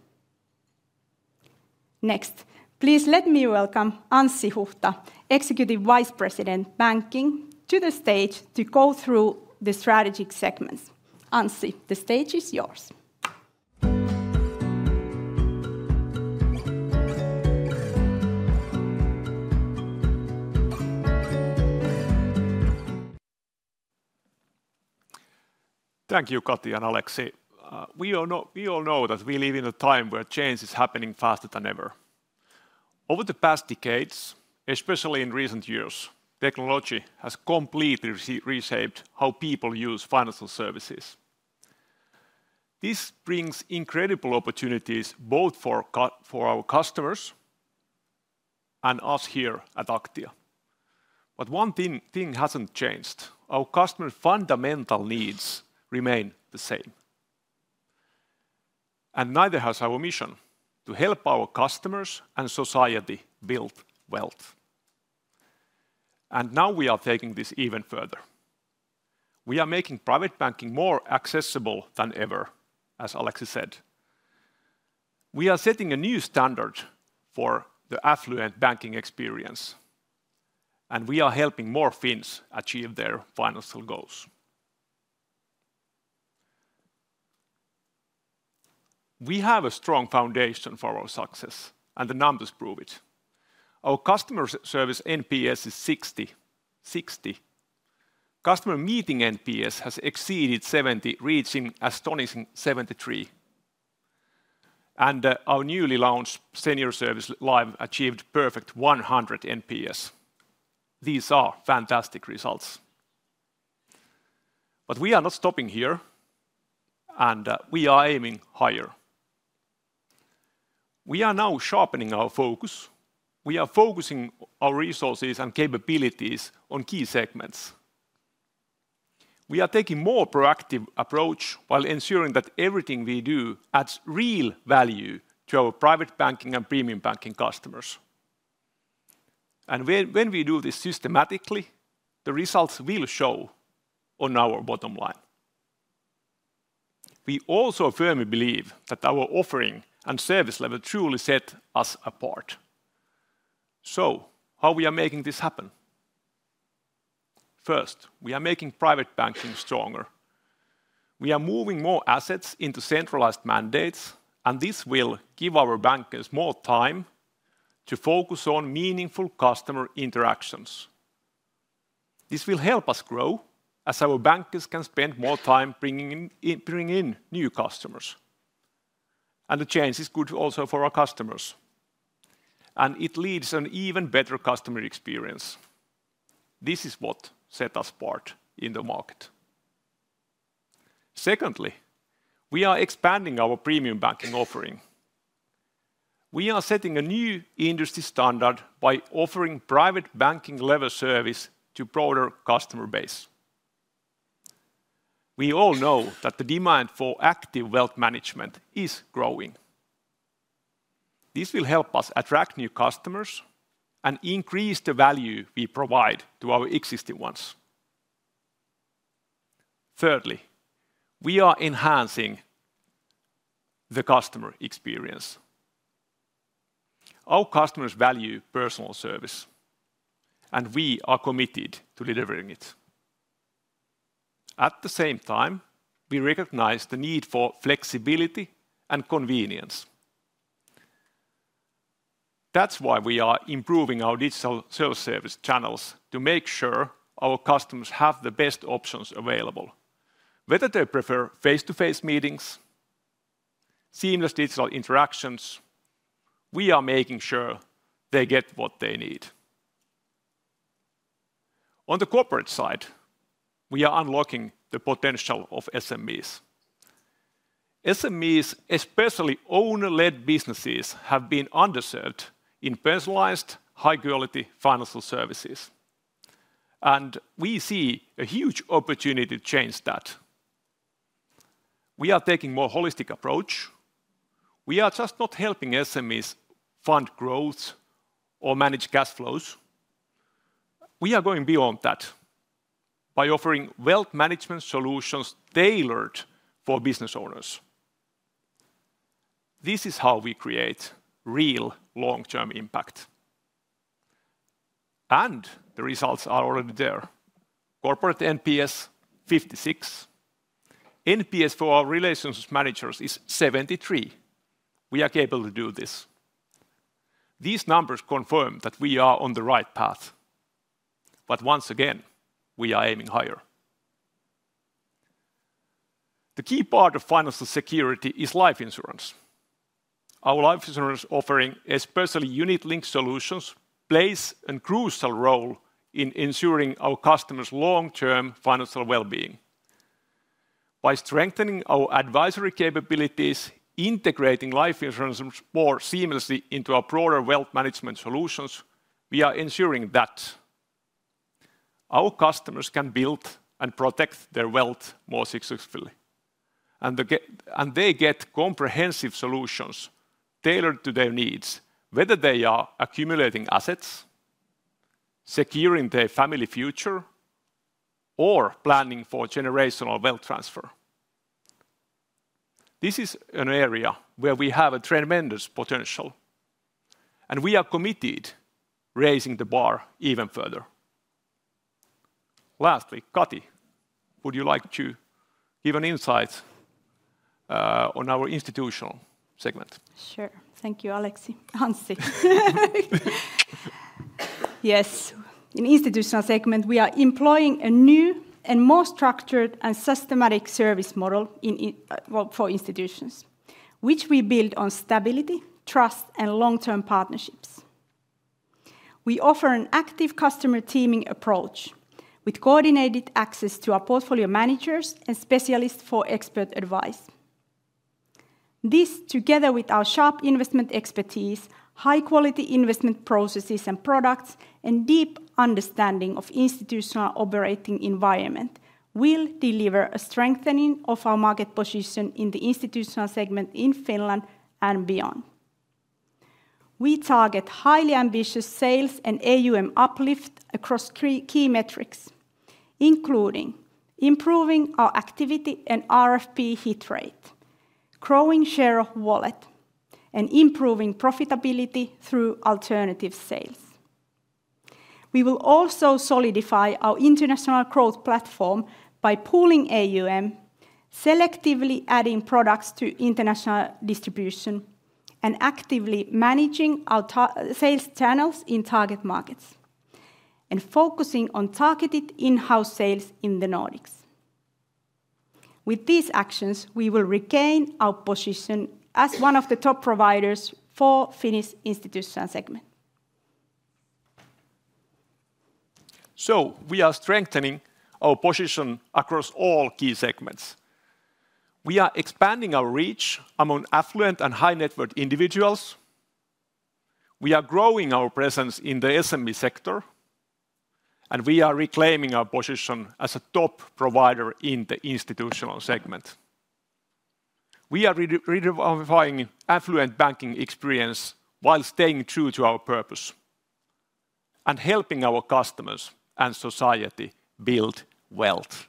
Next, please let me welcome Anssi Huhta, Executive Vice President, Banking, to the stage to go through the strategic segments. Anssi, the stage is yours. Thank you, Kati and Aleksi. We all know that we live in a time where change is happening faster than ever. Over the past decades, especially in recent years, technology has completely reshaped how people use financial services. This brings incredible opportunities both for our customers and us here at Aktia. But one thing hasn't changed. Our customers' fundamental needs remain the same. And neither has our mission to help our customers and society build wealth. And now we are taking this even further. We are making private banking more accessible than ever, as Aleksi said. We are setting a new standard for the affluent banking experience, and we are helping more Finns achieve their financial goals. We have a strong foundation for our success, and the numbers prove it. Our customer service NPS is 60. Customer meeting NPS has exceeded 70, reaching astonishing 73, and our newly launched Senior Service Live, achieved perfect 100 NPS. These are fantastic results, but we are not stopping here, and we are aiming higher. We are now sharpening our focus. We are focusing our resources and capabilities on key segments. We are taking a more proactive approach while ensuring that everything we do adds real value to our private banking and premium banking customers, and when we do this systematically, the results will show on our bottom line. We also firmly believe that our offering and service level truly set us apart, so how are we making this happen? First, we are making private banking stronger. We are moving more assets into centralized mandates, and this will give our bankers more time to focus on meaningful customer interactions. This will help us grow, as our bankers can spend more time bringing in new customers, and the change is good also for our customers, and it leads to an even better customer experience. This is what sets us apart in the market. Secondly, we are expanding our premium banking offering. We are setting a new industry standard by offering private banking level service to a broader customer base. We all know that the demand for active wealth management is growing. This will help us attract new customers and increase the value we provide to our existing ones. Thirdly, we are enhancing the customer experience. Our customers value personal service, and we are committed to delivering it. At the same time, we recognize the need for flexibility and convenience. That's why we are improving our digital self-service channels to make sure our customers have the best options available. Whether they prefer face-to-face meetings, seamless digital interactions, we are making sure they get what they need. On the corporate side, we are unlocking the potential of SMEs. SMEs, especially owner-led businesses, have been underserved in personalized, high-quality financial services, and we see a huge opportunity to change that. We are taking a more holistic approach. We are just not helping SMEs fund growth or manage cash flows. We are going beyond that by offering wealth management solutions tailored for business owners. This is how we create real long-term impact, and the results are already there. Corporate NPS 56. NPS for our relationship managers is 73. We are capable to do this. These numbers confirm that we are on the right path. But once again, we are aiming higher. The key part of financial security is life insurance. Our life insurance offering, especially unit-linked solutions, plays a crucial role in ensuring our customers' long-term financial well-being. By strengthening our advisory capabilities, integrating life insurance more seamlessly into our broader wealth management solutions, we are ensuring that our customers can build and protect their wealth more successfully. And they get comprehensive solutions tailored to their needs, whether they are accumulating assets, securing their family future, or planning for generational wealth transfer. This is an area where we have a tremendous potential, and we are committed to raising the bar even further. Lastly, Kati, would you like to give an insight on our institutional segment? Sure. Thank you, Aleksi. Anssi. Yes. In the institutional segment, we are employing a new and more structured and systematic service model for institutions, which we build on stability, trust, and long-term partnerships. We offer an active customer teaming approach with coordinated access to our portfolio managers and specialists for expert advice. This, together with our sharp investment expertise, high-quality investment processes and products, and deep understanding of the institutional operating environment, will deliver a strengthening of our market position in the institutional segment in Finland and beyond. We target highly ambitious sales and AUM uplift across key metrics, including improving our activity and RFP hit rate, growing share of wallet, and improving profitability through alternative sales. We will also solidify our international growth platform by pooling AUM, selectively adding products to international distribution, and actively managing our sales channels in target markets, and focusing on targeted in-house sales in the Nordics. With these actions, we will regain our position as one of the top providers for the Finnish institutional segment. So we are strengthening our position across all key segments. We are expanding our reach among affluent and high-net-worth individuals. We are growing our presence in the SME sector, and we are reclaiming our position as a top provider in the institutional segment. We are redefining affluent banking experience while staying true to our purpose and helping our customers and society build wealth.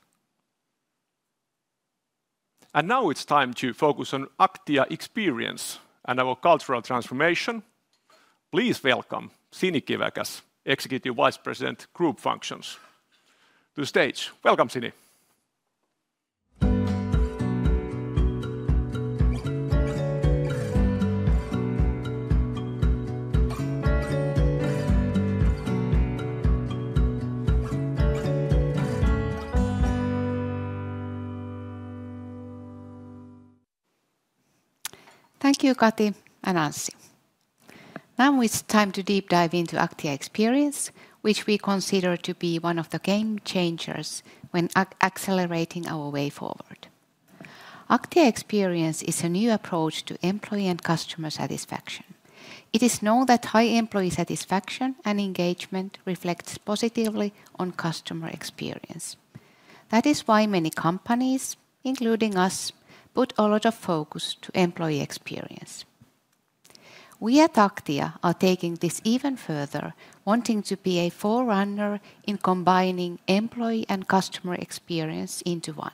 And now it's time to focus on Aktia Experience and our cultural transformation. Please welcome Sini Kivekäs, Executive Vice President, Group Functions. To the stage. Welcome, Sini. Thank you, Kati and Anssi. Now it's time to deep dive into Aktia Experience, which we consider to be one of the game changers when accelerating our way forward. Aktia Experience is a new approach to employee and customer satisfaction. It is known that high employee satisfaction and engagement reflects positively on customer experience. That is why many companies, including us, put a lot of focus on employee experience. We at Aktia are taking this even further, wanting to be a forerunner in combining employee and customer experience into one.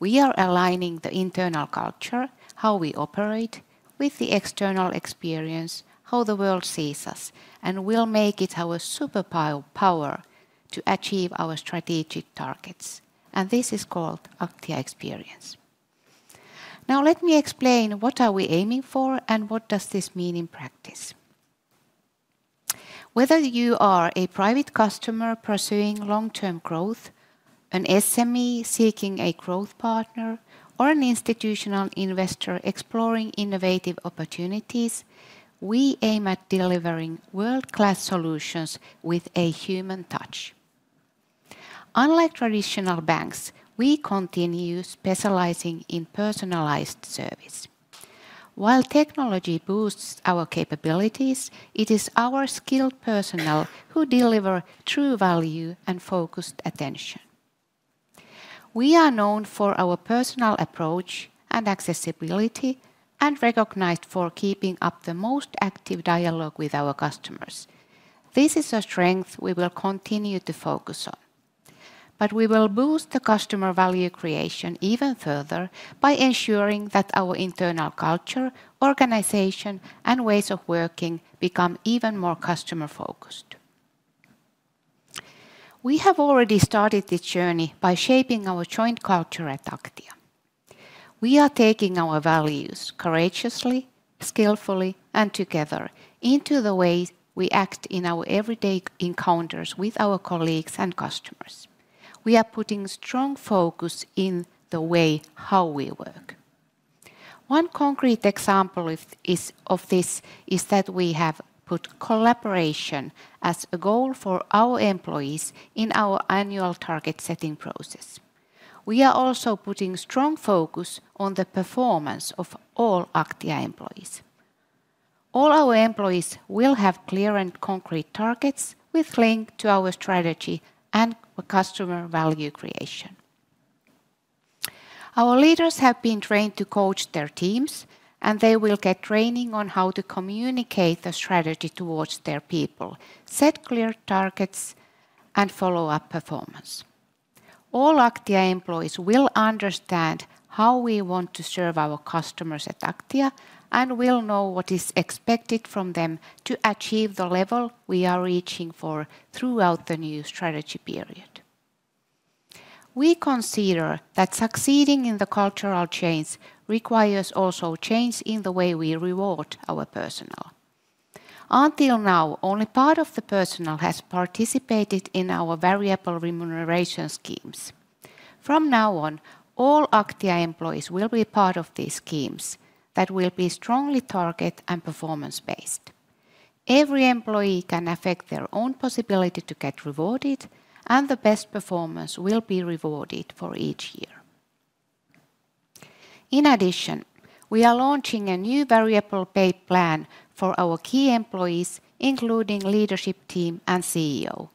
We are aligning the internal culture, how we operate, with the external experience, how the world sees us, and we'll make it our superpower to achieve our strategic targets. This is called Aktia Experience. Now let me explain what we are aiming for and what this means in practice. Whether you are a private customer pursuing long-term growth, an SME seeking a growth partner, or an institutional investor exploring innovative opportunities, we aim at delivering world-class solutions with a human touch. Unlike traditional banks, we continue specializing in personalized service. While technology boosts our capabilities, it is our skilled personnel who deliver true value and focused attention. We are known for our personal approach and accessibility and recognized for keeping up the most active dialogue with our customers. This is a strength we will continue to focus on. But we will boost the customer value creation even further by ensuring that our internal culture, organization, and ways of working become even more customer-focused. We have already started this journey by shaping our joint culture at Aktia. We are taking our values courageously, skillfully, and together into the way we act in our everyday encounters with our colleagues and customers. We are putting strong focus in the way how we work. One concrete example of this is that we have put collaboration as a goal for our employees in our annual target-setting process. We are also putting strong focus on the performance of all Aktia employees. All our employees will have clear and concrete targets with link to our strategy and customer value creation. Our leaders have been trained to coach their teams, and they will get training on how to communicate the strategy towards their people, set clear targets, and follow up performance. All Aktia employees will understand how we want to serve our customers at Aktia and will know what is expected from them to achieve the level we are reaching for throughout the new strategy period. We consider that succeeding in the cultural change requires also change in the way we reward our personnel. Until now, only part of the personnel has participated in our variable remuneration schemes. From now on, all Aktia employees will be part of these schemes that will be strongly targeted and performance-based. Every employee can affect their own possibility to get rewarded, and the best performance will be rewarded for each year. In addition, we are launching a new variable pay plan for our key employees, including leadership team and CEO.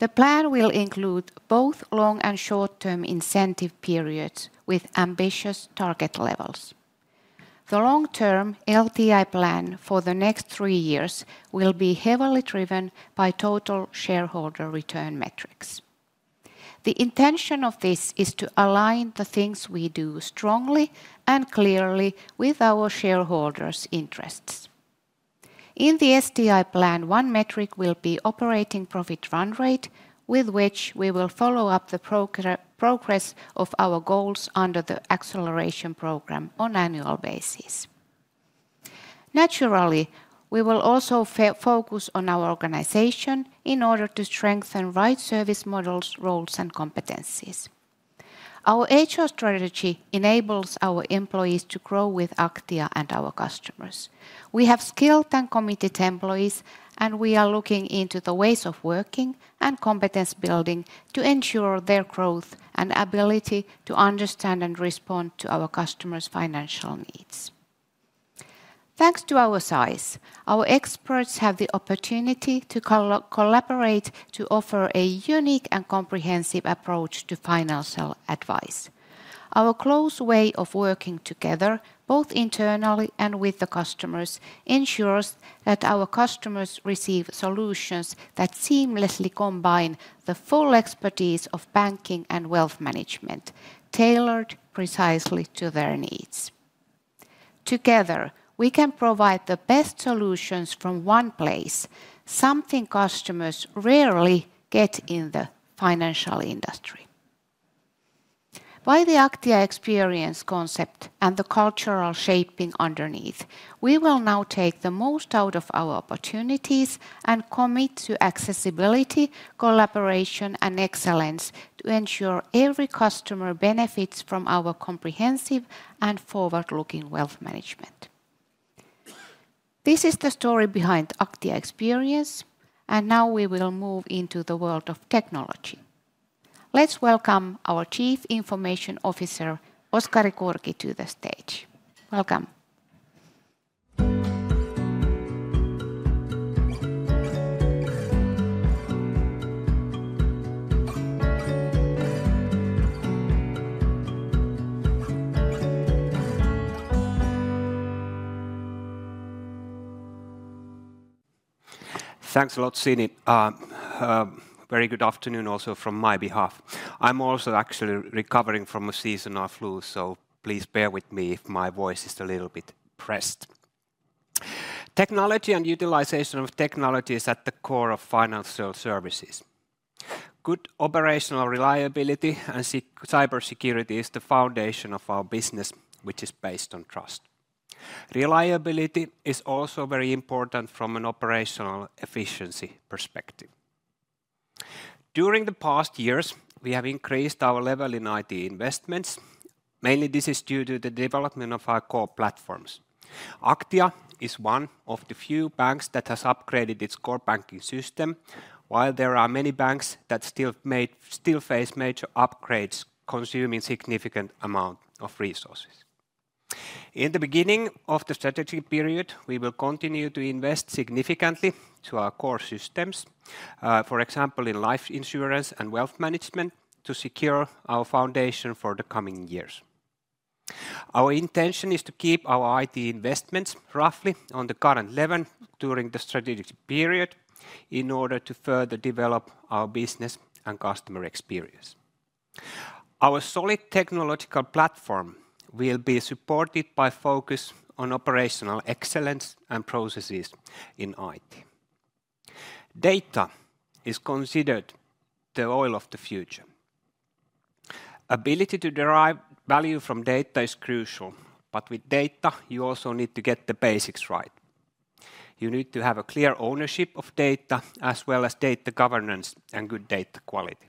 The plan will include both long and short-term incentive periods with ambitious target levels. The long-term LTI plan, for the next three years will be heavily driven by total shareholder return metrics. The intention of this is to align the things we do strongly and clearly with our shareholders' interests. In the STI plan, one metric will be operating profit run rate, with which we will follow up the progress of our goals under the acceleration program on an annual basis. Naturally, we will also focus on our organization in order to strengthen right service models, roles, and competencies. Our HR strategy enables our employees to grow with Aktia and our customers. We have skilled and committed employees, and we are looking into the ways of working and competence building to ensure their growth and ability to understand and respond to our customers' financial needs. Thanks to our size, our experts have the opportunity to collaborate to offer a unique and comprehensive approach to financial advice. Our close way of working together, both internally and with the customers, ensures that our customers receive solutions that seamlessly combine the full expertise of banking and wealth management, tailored precisely to their needs. Together, we can provide the best solutions from one place, something customers rarely get in the financial industry. By the Aktia Experience concept and the cultural shaping underneath, we will now take the most out of our opportunities and commit to accessibility, collaboration, and excellence to ensure every customer benefits from our comprehensive and forward-looking wealth management. This is the story behind Aktia Experience, and now we will move into the world of technology. Let's welcome our Chief Information Officer, Oskari Kurki, to the stage. Welcome. Thanks a lot, Sini. Very good afternoon also from my behalf. I'm also actually recovering from a seasonal flu, so please bear with me if my voice is a little bit pressed. Technology and utilization of technology is at the core of financial services. Good operational reliability and cybersecurity is the foundation of our business, which is based on trust. Reliability is also very important from an operational efficiency perspective. During the past years, we have increased our level in IT investments. Mainly, this is due to the development of our core platforms. Aktia is one of the few banks that has upgraded its core banking system, while there are many banks that still face major upgrades, consuming a significant amount of resources. In the beginning of the strategy period, we will continue to invest significantly in our core systems, for example, in life insurance and wealth management, to secure our foundation for the coming years. Our intention is to keep our IT investments roughly on the current level during the strategic period in order to further develop our business and customer experience. Our solid technological platform will be supported by a focus on operational excellence and processes in IT. Data is considered the oil of the future. The ability to derive value from data is crucial, but with data, you also need to get the basics right. You need to have a clear ownership of data, as well as data governance and good data quality.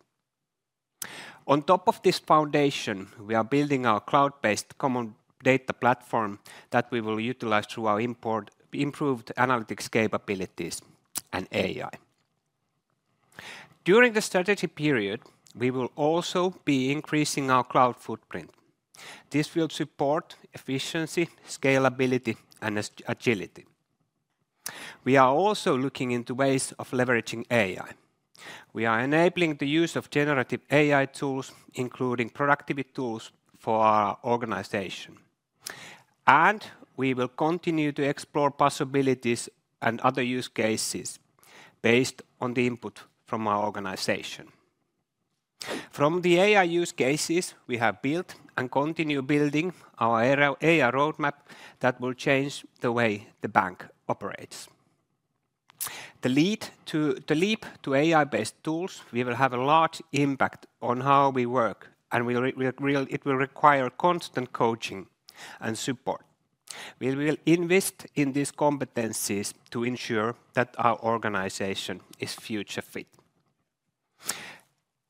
On top of this foundation, we are building our cloud-based common data platform that we will utilize through our improved analytics capabilities and AI. During the strategy period, we will also be increasing our cloud footprint. This will support efficiency, scalability, and agility. We are also looking into ways of leveraging AI. We are enabling the use of generative AI tools, including productivity tools for our organization, and we will continue to explore possibilities and other use cases based on the input from our organization. From the AI use cases, we have built and continue building our AI roadmap that will change the way the bank operates. The leap to AI-based tools, we will have a large impact on how we work, and it will require constant coaching and support. We will invest in these competencies to ensure that our organization is future-fit.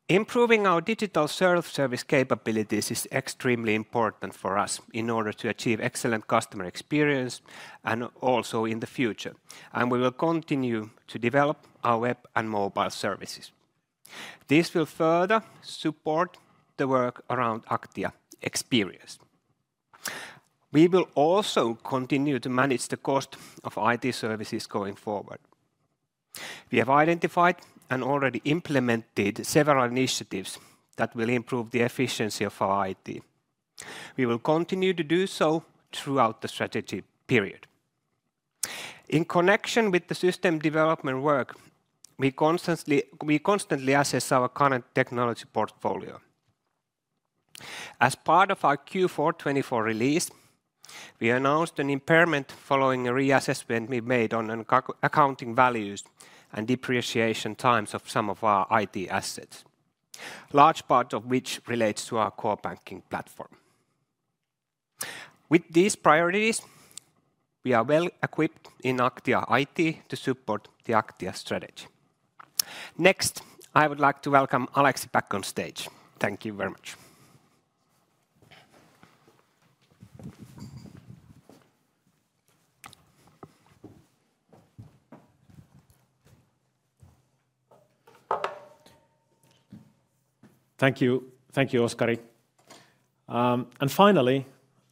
Improving our digital self-service capabilities is extremely important for us in order to achieve excellent customer experience and also in the future. And we will continue to develop our web and mobile services. This will further support the work around Aktia Experience. We will also continue to manage the cost of IT services going forward. We have identified and already implemented several initiatives that will improve the efficiency of our IT. We will continue to do so throughout the strategy period. In connection with the system development work, we constantly assess our current technology portfolio. As part of our Q4 24 release, we announced an impairment following a reassessment we made on accounting values and depreciation times of some of our IT assets, large part of which relates to our core banking platform. With these priorities, we are well equipped in Aktia IT to support the Aktia strategy. Next, I would like to welcome Aleksi back on stage. Thank you very much. Thank you, Oskari. And finally,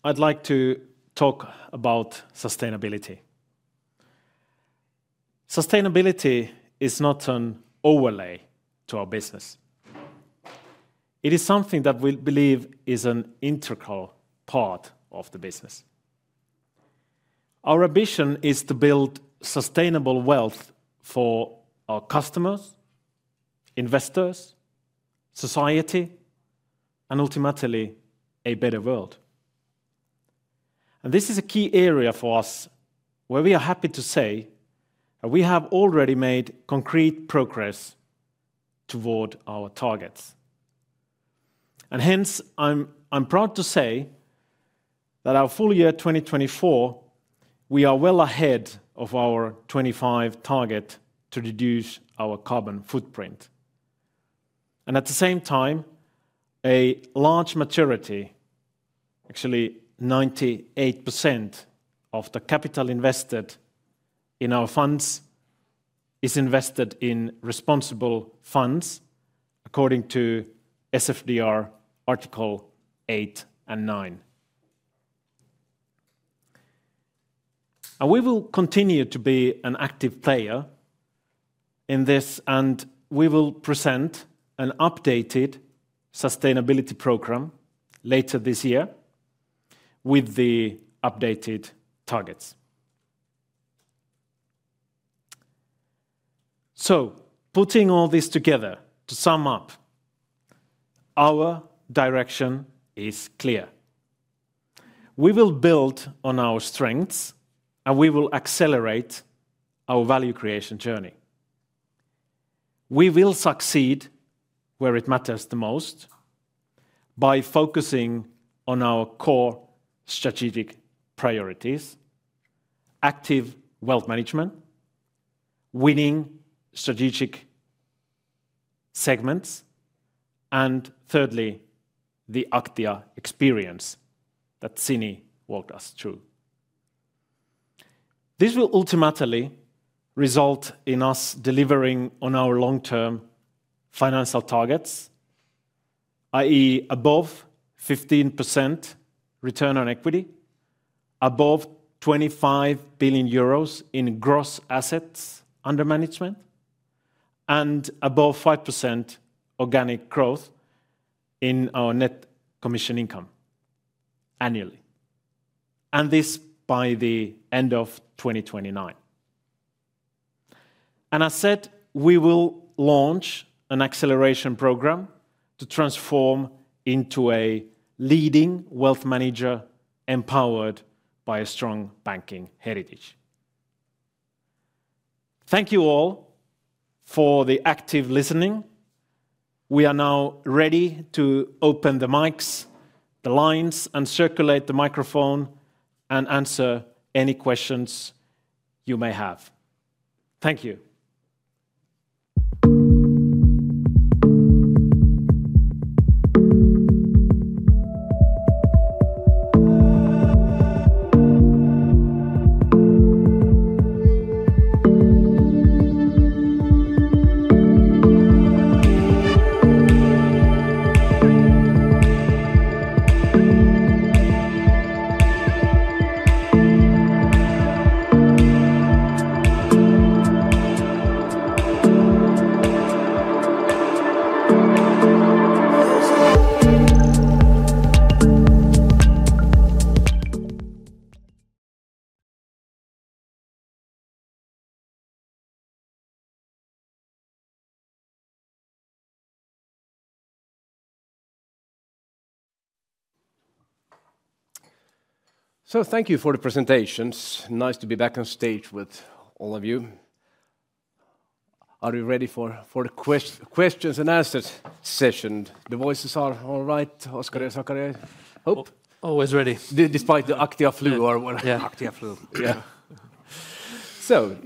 I'd like to talk about sustainability. Sustainability is not an overlay to our business. It is something that we believe is an integral part of the business. Our ambition is to build sustainable wealth for our customers, investors, society, and ultimately a better world. And this is a key area for us where we are happy to say that we have already made concrete progress toward our targets. And hence, I'm proud to say that our full year 2024, we are well ahead of our 2025 target to reduce our carbon footprint. And at the same time, a large majority, actually 98%, of the capital invested in our funds, is invested in responsible funds according to SFDR Article 8 and 9. And we will continue to be an active player in this, and we will present an updated sustainability program later this year with the updated targets. So, putting all this together to sum up, our direction is clear. We will build on our strengths, and we will accelerate our value creation journey. We will succeed where it matters the most by focusing on our core strategic priorities, Active Wealth Management, winning strategic segments, and thirdly, the Aktia Experience that Sini, walked us through. This will ultimately result in us delivering on our long-term financial targets, i.e., above 15%, return on equity, above 25 billion euros, in gross assets, under management, and above 5%, organic growth in our net commission income annually. This by the end of 2029. As said, we will launch an acceleration program to transform into a leading wealth manager empowered by a strong banking heritage. Thank you all for the active listening. We are now ready to open the mics, the lines, and circulate the microphone and answer any questions you may have. Thank you. Thank you for the presentations. Nice to be back on stage with all of you. Are you ready for the questions and answers session? The voices are all right, Oskari and Sakari? Always ready. Despite the Aktia flu. Yeah, Aktia flu. Yeah.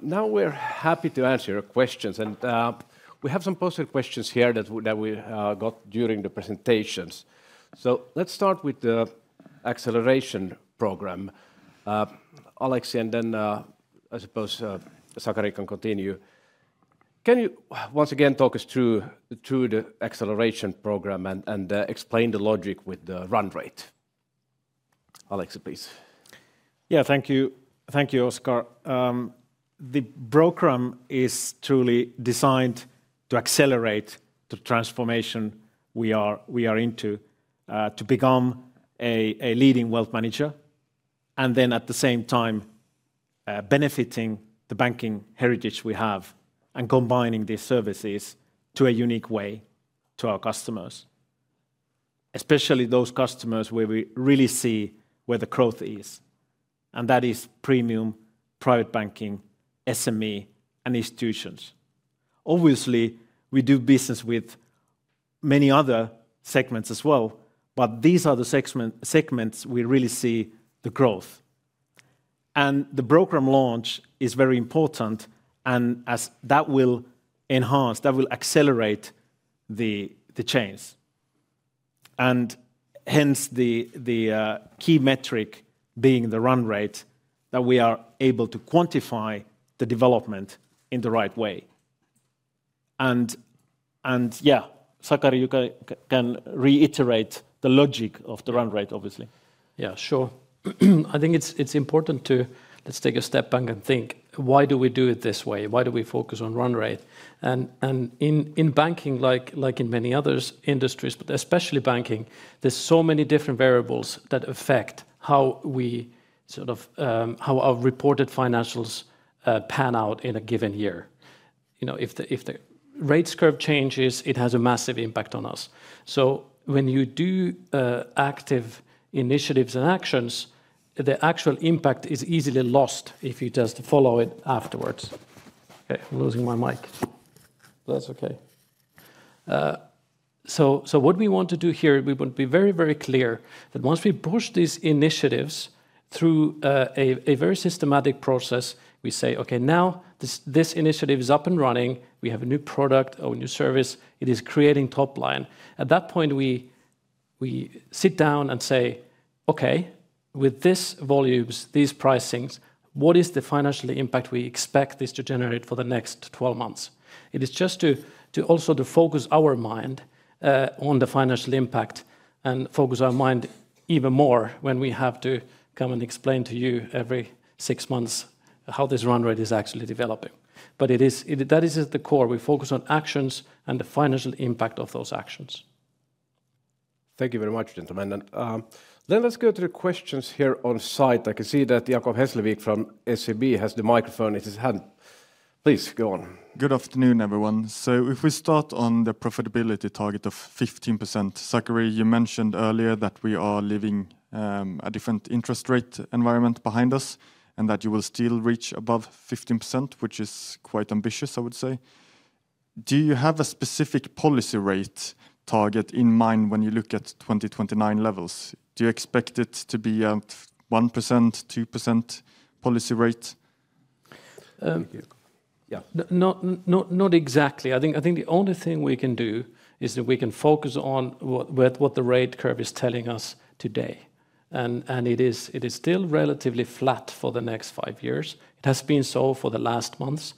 Now we're happy to answer your questions. We have some posted questions here that we got during the presentations. Let's start with the acceleration program. Aleksi and then, I suppose, Oskar can continue. Can you once again talk us through the acceleration program and explain the logic with the run rate? Aleksi, please. Yeah, thank you. Thank you, Oscar. The program is truly designed to accelerate the transformation we are into to become a leading wealth manager and then, at the same time, benefiting the banking heritage we have and combining these services to a unique way to our customers, especially those customers where we really see where the growth is. And that is premium private banking, SME, and institutions. Obviously, we do business with many other segments as well, but these are the segments we really see the growth. And the program launch is very important, and that will enhance, that will accelerate the chains. And hence, the key metric being the run rate that we are able to quantify the development in the right way. Yeah, Sakari, you can reiterate the logic of the run rate, obviously. Yeah, sure. I think it's important. Let's take a step back and think why do we do it this way? Why do we focus on run rate? In banking, like in many other industries, but especially banking, there are so many different variables that affect how we sort of how our reported financials pan out in a given year. If the rate curve changes, it has a massive impact on us. When you do active initiatives and actions, the actual impact is easily lost if you just follow it afterwards. Okay, I'm losing my mic. That's okay. What we want to do here, we want to be very, very clear that once we push these initiatives through a very systematic process, we say, okay, now this initiative is up and running. We have a new product or a new service. It is creating top line. At that point, we sit down and say, okay, with these volumes, these pricings, what is the financial impact we expect this to generate for the next 12 months? It is just to also focus our mind on the financial impact and focus our mind even more when we have to come and explain to you every six months how this run rate is actually developing. But that is at the core. We focus on actions and the financial impact of those actions. Thank you very much, gentlemen. Then let's go to the questions here on site. I can see that Jakob Hesslevik, from SEB has the microphone in his hand. Please go on. Good afternoon, everyone. If we start on the profitability target of 15%, Sakari, you mentioned earlier that we are leaving a different interest rate environment behind us and that you will still reach above 15%, which is quite ambitious, I would say. Do you have a specific policy rate target in mind when you look at 2029 levels? Do you expect it to be a 1%, 2% policy rate? Yeah, not exactly. I think the only thing we can do is that we can focus on what the rate curve is telling us today, and it is still relatively flat for the next five years. It has been so for the last months,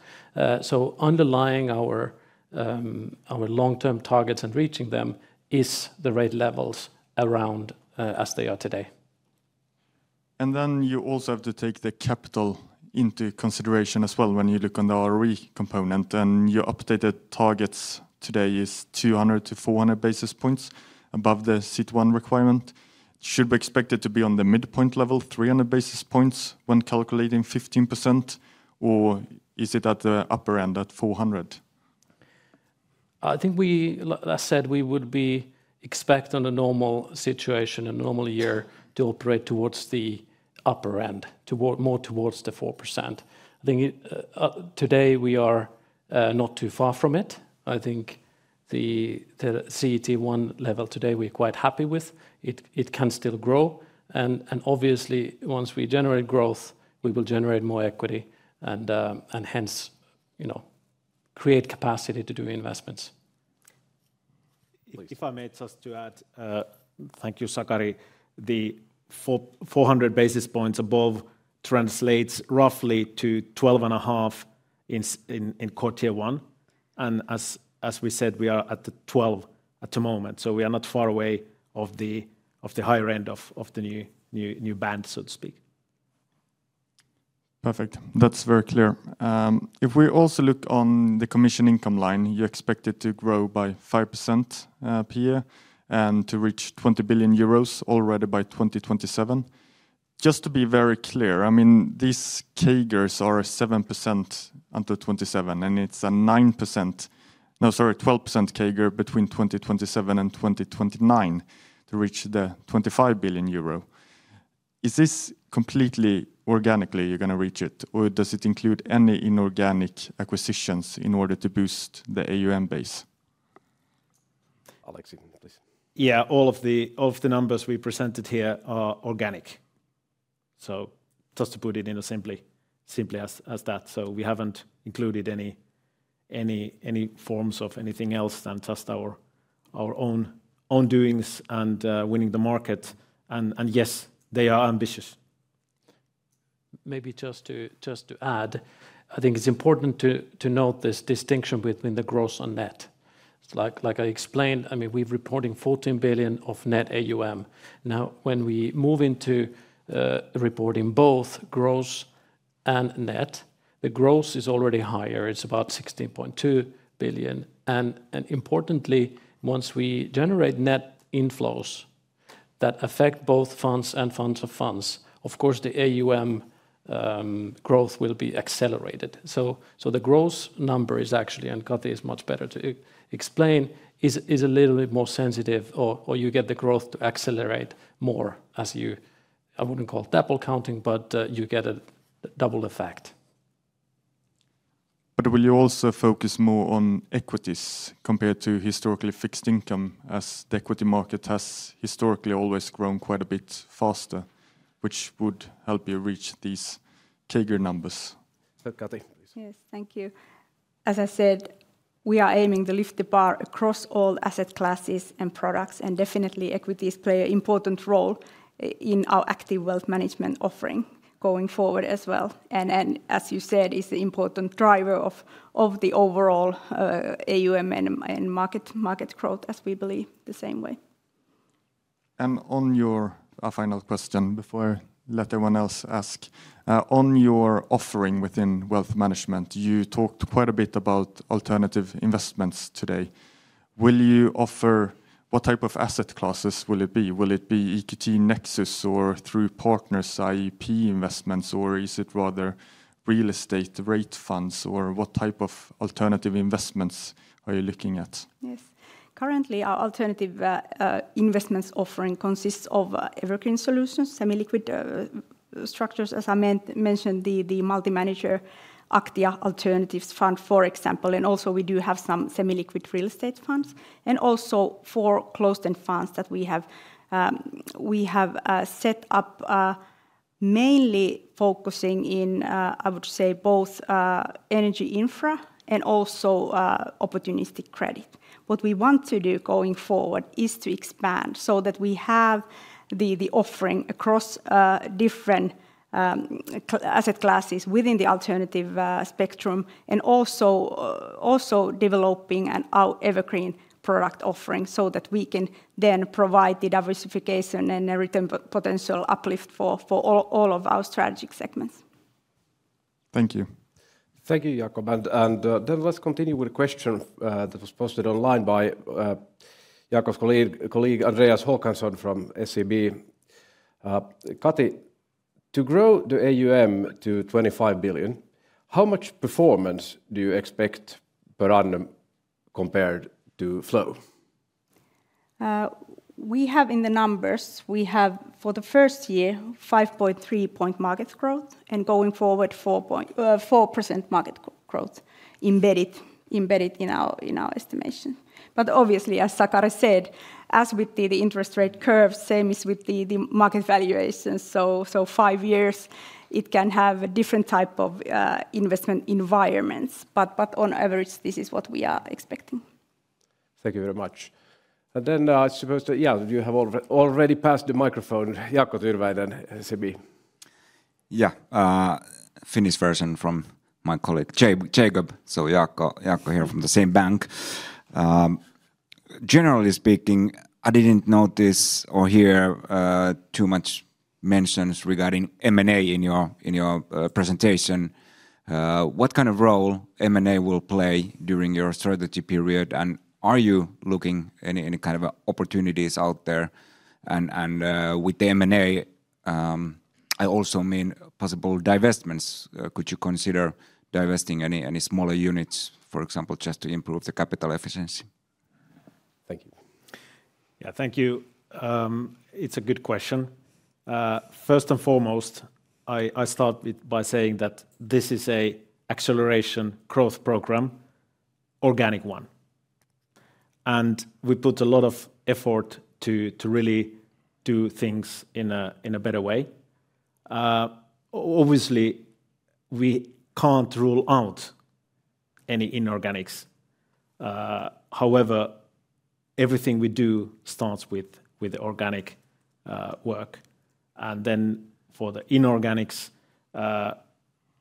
so underlying our long-term targets and reaching them is the rate levels around as they are today. And then you also have to take the capital into consideration as well when you look on the ROE component. Your updated targets today is 200-400 basis points above the CET1 requirement. Should we expect it to be on the midpoint level, 300 basis points, when calculating 15%, or is it at the upper end at 400? I think we, as I said, we would be expecting in a normal situation, in a normal year, to operate towards the upper end, more towards the 4%. I think today we are not too far from it. I think the CET1 level, today we're quite happy with. It can still grow. And obviously, once we generate growth, we will generate more equity and hence create capacity to do investments. If I may just add, thank you, Sakari. The 400 basis points, above translates roughly to 12.5%, in quarter one. And as we said, we are at the 12%, at the moment. So, we are not far away from the higher end of the new band, so to speak. Perfect. That's very clear. If we also look on the commission income line, you expect it to grow by 5%, per year and to reach 20 billion euros, already by 2027. Just to be very clear, I mean, these CAGRs are 7%, until 2027, and it's a 9%, no, sorry, 12%, CAGR between 2027 and 2029, to reach the 25 billion euro. Is this completely organically you're going to reach it, or does it include any inorganic acquisitions in order to boost the AUM base? Aleksi, please. Yeah, all of the numbers we presented here are organic. So, just to put it as simply as that. So, we haven't included any forms of anything else than just our own doings and winning the market. And yes, they are ambitious. Maybe just to add, I think it's important to note this distinction between the gross and net. Like I explained, I mean, we're reporting 14 billion, of net AUM. Now, when we move into reporting both gross and net, the gross is already higher. It's about 16.2 billion. And importantly, once we generate net inflows that affect both funds and funds of funds, of course, the AUM growth, will be accelerated. So, the gross number is actually, and Kati, is much better to explain, is a little bit more sensitive, or you get the growth to accelerate more as you, I wouldn't call it double counting, but you get a double effect. But will you also focus more on equities compared to historically fixed income as the equity market has historically always grown quite a bit faster, which would help you reach these CAGR numbers? Kati, please. Yes, thank you. As I said, we are aiming to lift the bar across all asset classes and products, and definitely equities play an important role in our Active Wealth Management offering going forward as well. And as you said, it's an important driver of the overall AUM and market growth, as we believe the same way. And on your final question before I let everyone else ask, on your offering within wealth management, you talked quite a bit about alternative investments today. Will you offer, what type of asset classes will it be? Will it be Equity Nexus or through partners, IEP investments, or is it rather real estate REIT funds, or what type of alternative investments are you looking at? Yes. Currently, our alternative investments offering consists of evergreen solutions, semi-liquid structures, as I mentioned, the multi-manager Aktia Alternatives fund, for example. And also, we do have some semi-liquid real estate funds and also four closed-end funds that we have set up, mainly focusing in, I would say, both energy infra and also opportunistic credit. What we want to do going forward is to expand so that we have the offering across different asset classes within the alternative spectrum and also developing an evergreen product offering so that we can then provide the diversification and return potential uplift for all of our strategic segments. Thank you. Thank you, Jakob. And then let's continue with a question that was posted online by Jacob's colleague, Andreas Håkansson from SEB. Kati, to grow the AUM to 25 billion, how much performance do you expect per annum compared to flow? We have in the numbers, we have for the first year, 5.3-point, market growth and going forward 4%, market growth embedded in our estimation. But obviously, as Sakari said, as with the interest rate curve, same is with the market valuation. So, five years, it can have a different type of investment environments. But on average, this is what we are expecting. Thank you very much. And then I suppose, yeah, you have already passed the microphone. Jakob, you're right, and SEB. Yeah, Finnish version from my colleague, Jacob. So, Jakob here from the same bank. Generally speaking, I didn't notice or hear too much mentions regarding M&A in your presentation. What kind of role M&A will play during your strategy period? And are you looking at any kind of opportunities out there? And with the M&A, I also mean possible divestments. Could you consider divesting any smaller units, for example, just to improve the capital efficiency? Thank you. Yeah, thank you. It's a good question. First and foremost, I start by saying that this is an acceleration growth program, organic one. And we put a lot of effort to really do things in a better way. Obviously, we can't rule out any inorganics. However, everything we do starts with organic work. And then for the inorganics,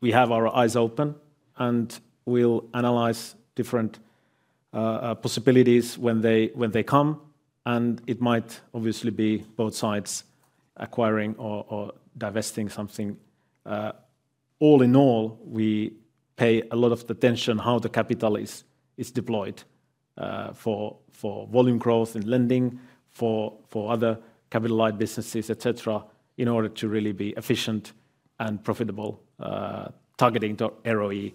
we have our eyes open and we'll analyze different possibilities when they come. And it might obviously be both sides acquiring or divesting something. All in all, we pay a lot of attention to how the capital is deployed for volume growth and lending for other capital-like businesses, etc., in order to really be efficient and profitable, targeting the ROE,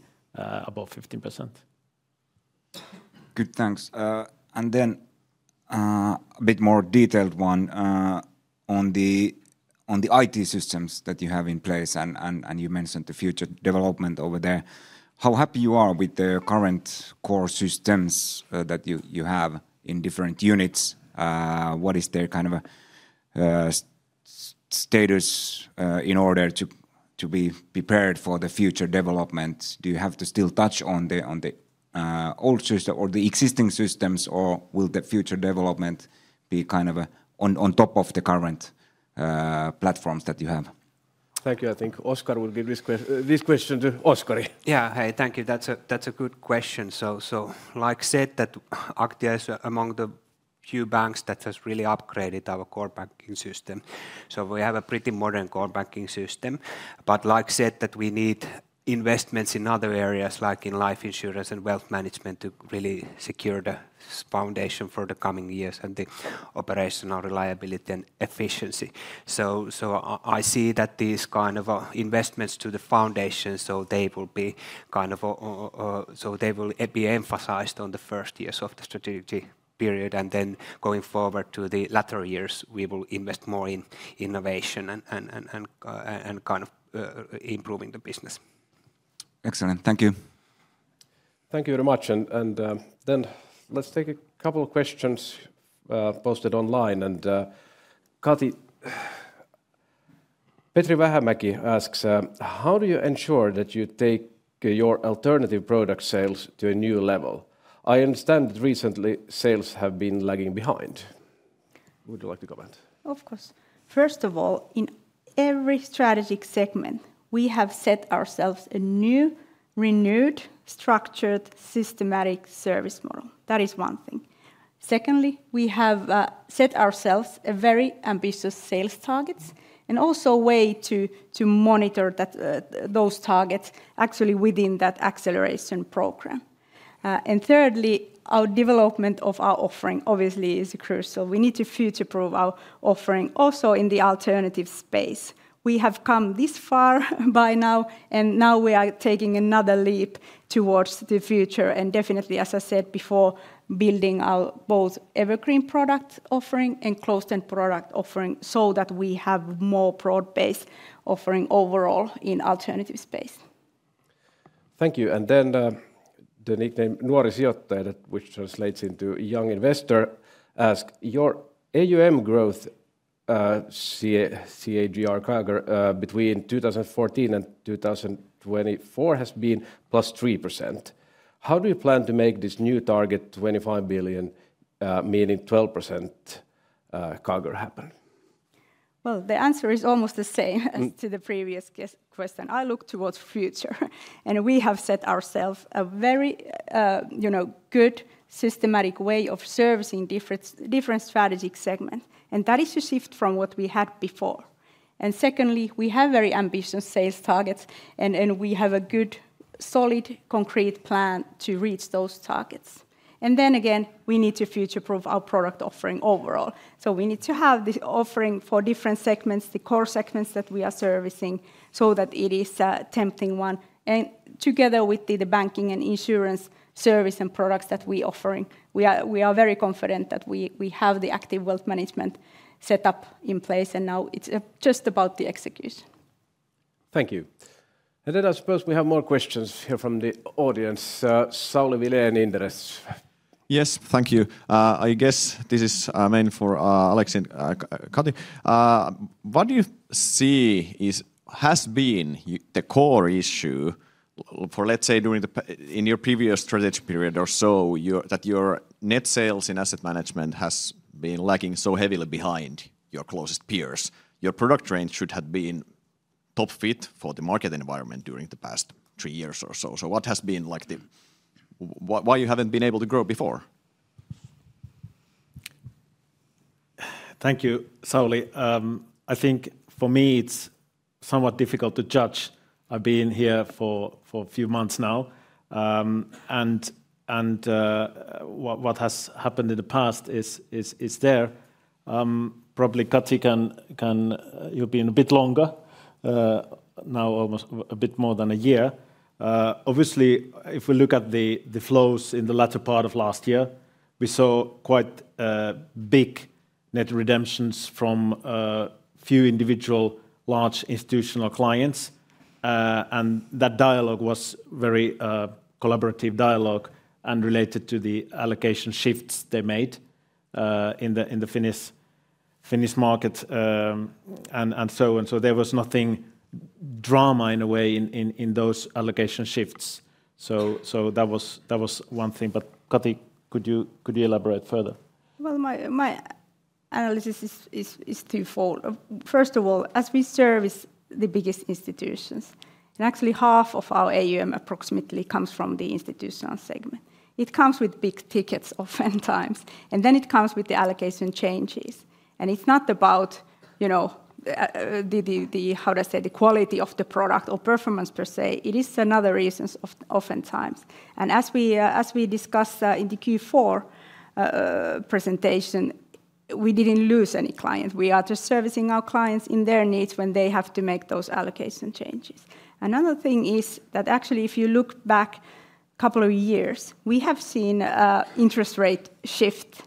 above 15%. Good, thanks. And then a bit more detailed one on the IT systems that you have in place. And you mentioned the future development over there. How happy you are with the current core systems that you have in different units? What is their kind of status in order to be prepared for the future development? Do you have to still touch on the old system or the existing systems, or will the future development be kind of on top of the current platforms that you have? Thank you. I think Oscar will give this question to Oskari. Yeah, hey, thank you. That's a good question. So, like I said, that Aktia is among the few banks that has really upgraded our core banking system. So, we have a pretty modern core banking system. But like I said, that we need investments in other areas like in life insurance and wealth management to really secure the foundation for the coming years and the operational reliability and efficiency. I see that these kind of investments to the foundation, so they will be kind of, so they will be emphasized on the first years of the strategic period. And then going forward to the latter years, we will invest more in innovation and kind of improving the business. Excellent. Thank you. Thank you very much. And then let's take a couple of questions posted online. And Kati, Petri Vähämäki asks, how do you ensure that you take your alternative product sales to a new level? I understand that recently sales have been lagging behind. Would you like to comment? Of course. First of all, in every strategic segment, we have set ourselves a new, renewed, structured, systematic service model. That is one thing. Secondly, we have set ourselves very ambitious sales targets and also a way to monitor those targets actually within that acceleration program. Thirdly, our development of our offering obviously is crucial. We need to future-proof our offering also in the alternative space. We have come this far by now, and now we are taking another leap towards the future. And definitely, as I said before, building both evergreen product offering and closed-end product offering so that we have a more broad-based offering overall in the alternative space. Thank you. Then the nickname Nuori Sijoittaja, which translates into young investor, asks, your AUM growth, CAGR, between 2014 and 2024 has been +3%. How do you plan to make this new target, 25 billion, meaning 12%, CAGR happen? The answer is almost the same as to the previous question. I look towards the future, and we have set ourselves a very good systematic way of servicing different strategic segments. And that is a shift from what we had before. And secondly, we have very ambitious sales targets, and we have a good, solid, concrete plan to reach those targets. And then again, we need to future-proof our product offering overall. So, we need to have the offering for different segments, the core segments that we are servicing, so that it is a tempting one. And together with the banking and insurance service and products that we are offering, we are very confident that we have the active wealth management setup in place, and now it's just about the execution. Thank you. And then I suppose we have more questions here from the audience. Sauli Vilén, interested. Yes, thank you. I guess this is mainly for Aleksi, Kati. What do you see has been the core issue for, let's say, during your previous strategic period or so, that your net sales in asset management has been lagging so heavily behind your closest peers? Your product range should have been top fit for the market environment during the past three years or so. So, what has been like the why you haven't been able to grow before? Thank you, Sauli. I think for me, it's somewhat difficult to judge. I've been here for a few months now, and what has happened in the past is there. Probably Kati can, you've been a bit longer, now almost a bit more than a year. Obviously, if we look at the flows in the latter part of last year, we saw quite big net redemptions from a few individual large institutional clients. That dialogue was very collaborative dialogue and related to the allocation shifts they made in the Finnish market and so on. So, there was nothing dramatic in a way in those allocation shifts. So, that was one thing. But Kati, could you elaborate further? Well, my analysis is twofold. First of all, as we service the biggest institutions, and actually half of our AUM approximately comes from the institutional segment. It comes with big tickets oftentimes, and then it comes with the allocation changes. And it's not about, how do I say, the quality of the product or performance per se. It is another reason oftentimes. And as we discussed in the Q4 presentation, we didn't lose any clients. We are just servicing our clients in their needs when they have to make those allocation changes. Another thing is that actually, if you look back a couple of years, we have seen an interest rate shift,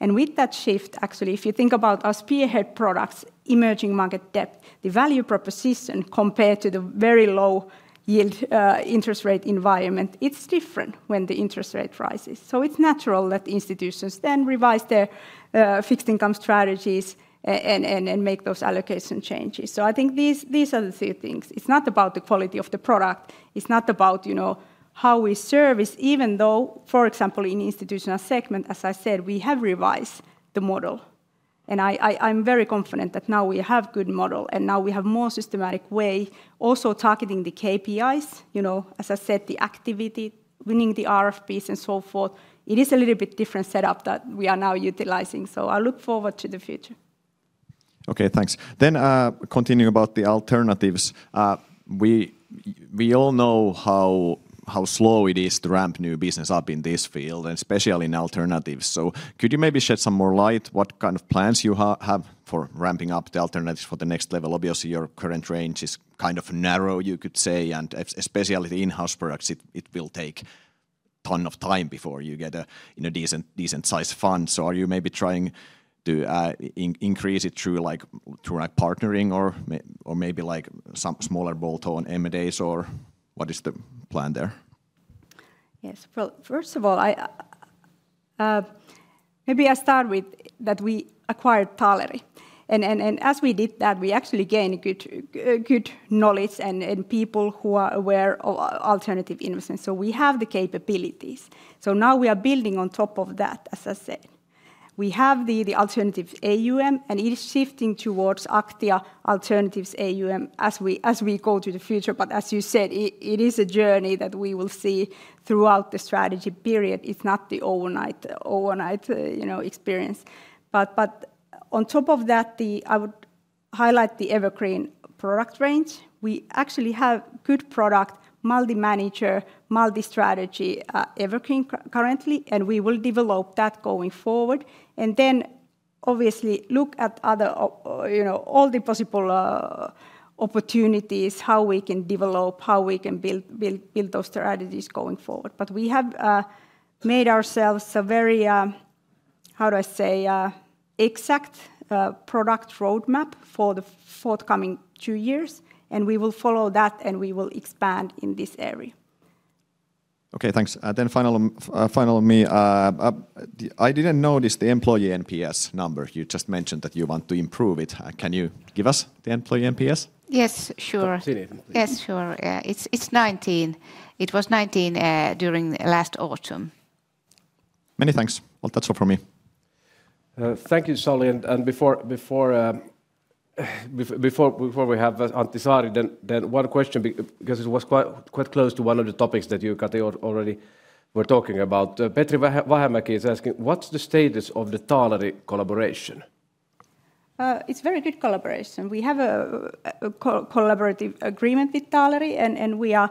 and with that shift, actually, if you think about our spearhead products, Emerging Market Debt, the value proposition compared to the very low yield interest rate environment, it's different when the interest rate rises, so it's natural that institutions then revise their fixed income strategies, and make those allocation changes, so I think these are the two things. It's not about the quality of the product. It's not about how we service, even though, for example, in the institutional segment, as I said, we have revised the model, and I'm very confident that now we have a good model and now we have a more systematic way, also targeting the KPIs, as I said, the activity, winning the RFPs and so forth. It is a little bit different setup that we are now utilizing, so I look forward to the future. Okay, thanks, then continuing about the alternatives, we all know how slow it is to ramp new business up in this field, and especially in alternatives, so could you maybe shed some more light on what kind of plans you have for ramping up the alternatives for the next level? Obviously, your current range is kind of narrow, you could say, and especially the in-house products, it will take a ton of time before you get a decent-sized fund, so are you maybe trying to increase it through partnering or maybe some smaller bolt-on M&As, or what is the plan there? Yes, first of all, maybe I start with that we acquired Taaleri, and as we did that, we actually gained good knowledge and people who are aware of alternative investments. So, we have the capabilities, so now we are building on top of that, as I said. We have the alternative AUM, and it is shifting towards Aktia Alternatives AUM as we go to the future, but as you said, it is a journey that we will see throughout the strategy period. It's not the overnight experience, but on top of that, I would highlight the evergreen product range. We actually have good product, multi-manager, multi-strategy evergreen currently, and we will develop that going forward and then obviously look at all the possible opportunities, how we can develop, how we can build those strategies going forward, but we have made ourselves a very, how do I say, exact product roadmap for the forthcoming two years, and we will follow that and we will expand in this area. Okay, thanks then final on me. I didn't notice the employee NPS number. You just mentioned that you want to improve it. Can you give us the employee NPS? Yes, sure. Yes, sure. It's 19. It was 19 during last autumn. Many thanks. That's all from me. Thank you, Sauli. Before we have Antti Saari, one question, because it was quite close to one of the topics that you and Kati already were talking about. Petri Vähämäki is asking, what's the status of the Taaleri collaboration? It's a very good collaboration. We have a collaborative agreement with Taaleri, and we are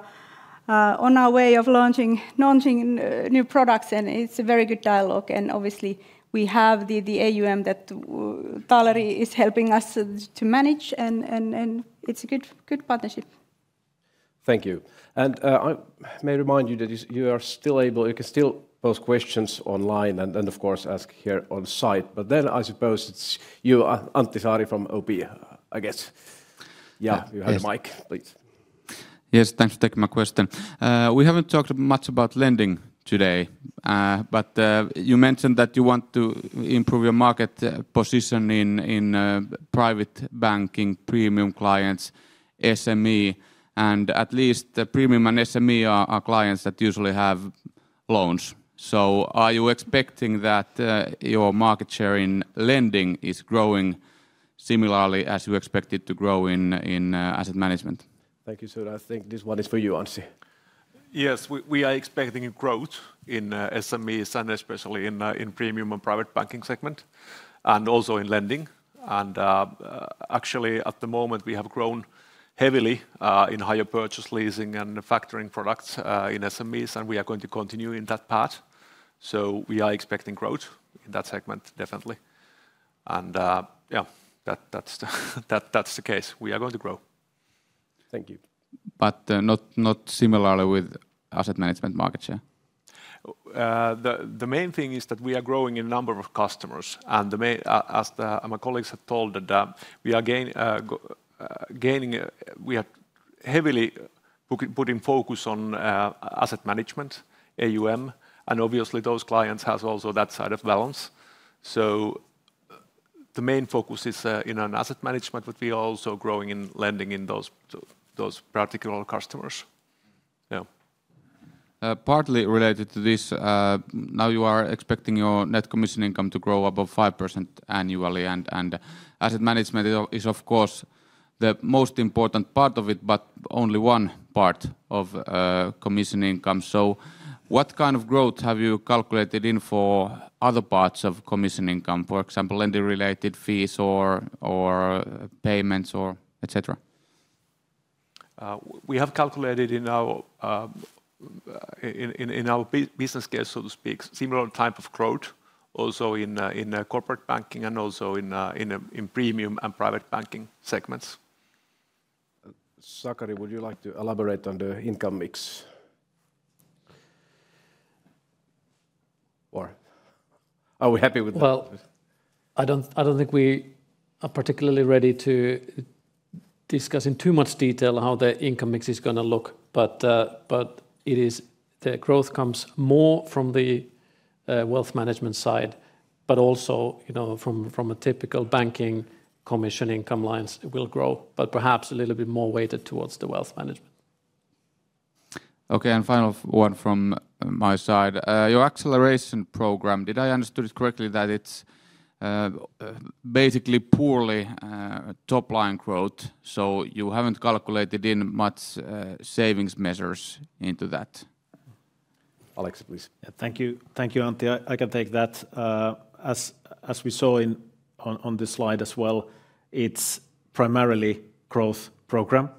on our way of launching new products, and it's a very good dialogue. Obviously, we have the AUM that Taaleri, is helping us to manage, and it's a good partnership. Thank you. I may remind you that you are still able, you can still post questions online and, of course, ask here on site. But then I suppose it's you, Antti Saari from OP, I guess. Yeah, you have the mic, please. Yes, thanks for taking my question. We haven't talked much about lending today, but you mentioned that you want to improve your market position in private banking, premium clients, SME, and at least premium and SME are clients that usually have loans. So, are you expecting that your market share in lending is growing similarly as you expect it to grow in asset management? Thank you, Antti. I think this one is for you, Anssi. Yes, we are expecting growth in SMEs and especially in premium and private banking segment and also in lending. And actually, at the moment, we have grown heavily in hire purchase leasing and factoring products in SMEs, and we are going to continue in that path. So, we are expecting growth in that segment, definitely. Yeah, that's the case. We are going to grow. Thank you. But not similarly with asset management market share? The main thing is that we are growing in number of customers. And as my colleagues have told, that we are gaining, we have heavily put in focus on asset management, AUM, and obviously those clients have also that side of balance. So, the main focus is in asset management, but we are also growing in lending in those particular customers. Partly related to this, now you are expecting your net commission income to grow above 5% annually, and asset management is, of course, the most important part of it, but only one part of commission income. So, what kind of growth have you calculated in for other parts of commission income, for example, lending-related fees or payments or etc.? We have calculated in our business case, so to speak, similar type of growth also in corporate banking and also in premium and private banking segments. Sakari, would you like to elaborate on the income mix? Are we happy with that? Well, I don't think we are particularly ready to discuss in too much detail how the income mix is going to look, but the growth comes more from the wealth management side, but also from a typical banking commission income lines will grow, but perhaps a little bit more weighted towards the wealth management. Okay, and final one from my side. Your acceleration program, did I understand it correctly that it's basically purely top-line growth? So, you haven't calculated in much savings measures into that? Aleksi, please. Thank you, Antti. I can take that. As we saw on this slide as well, it's primarily a growth program.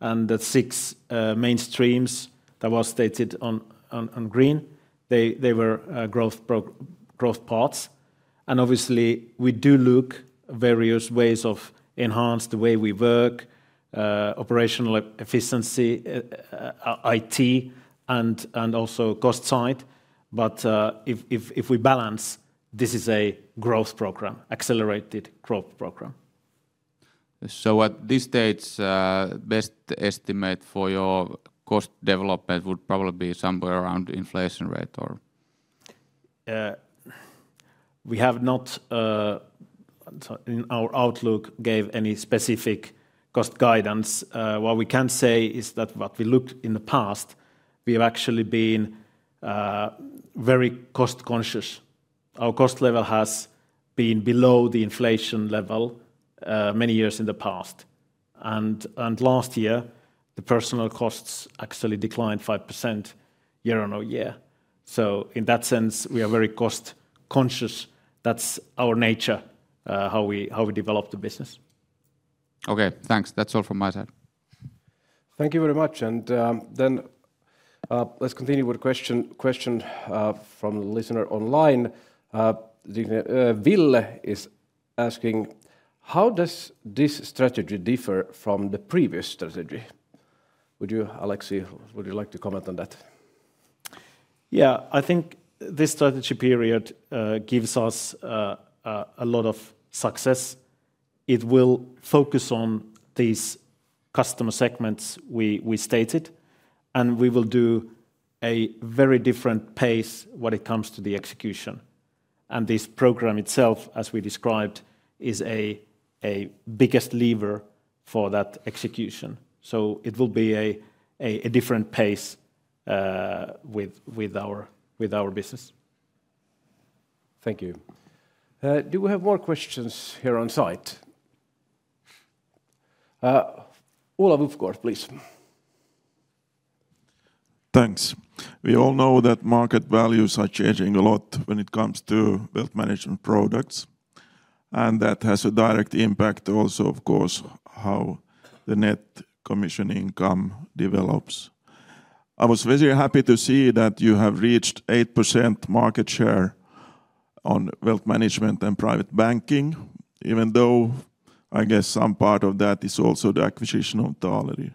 The six main streams that were stated on green, they were growth parts. Obviously, we do look at various ways of enhancing the way we work, operational efficiency, IT, and also cost side. But if we balance, this is a growth program, accelerated growth program. At this date, the best estimate for your cost development would probably be somewhere around the inflation rate, or? We have not, in our outlook, given any specific cost guidance. What we can say is that what we looked at in the past, we have actually been very cost-conscious. Our cost level has been below the inflation level many years in the past. Last year, the personal costs actually declined 5%, year on a year. In that sense, we are very cost-conscious. That's our nature, how we develop the business. Okay, thanks. That's all from my side. Thank you very much. And then let's continue with a question from the listener online. Ville is asking, how does this strategy differ from the previous strategy? Would you, Aleksi, like to comment on that? Yeah, I think this strategy period gives us a lot of success. It will focus on these customer segments we stated, and we will do a very different pace when it comes to the execution. And this program itself, as we described, is a biggest lever for that execution. So, it will be a different pace with our business. Thank you. Do we have more questions here on site? Olav Uppgård, please. Thanks. We all know that market values are changing a lot when it comes to wealth management products. And that has a direct impact also, of course, on how the net commission income develops. I was very happy to see that you have reached 8%, market share on wealth management and private banking, even though I guess some part of that is also the acquisition of Taaleri.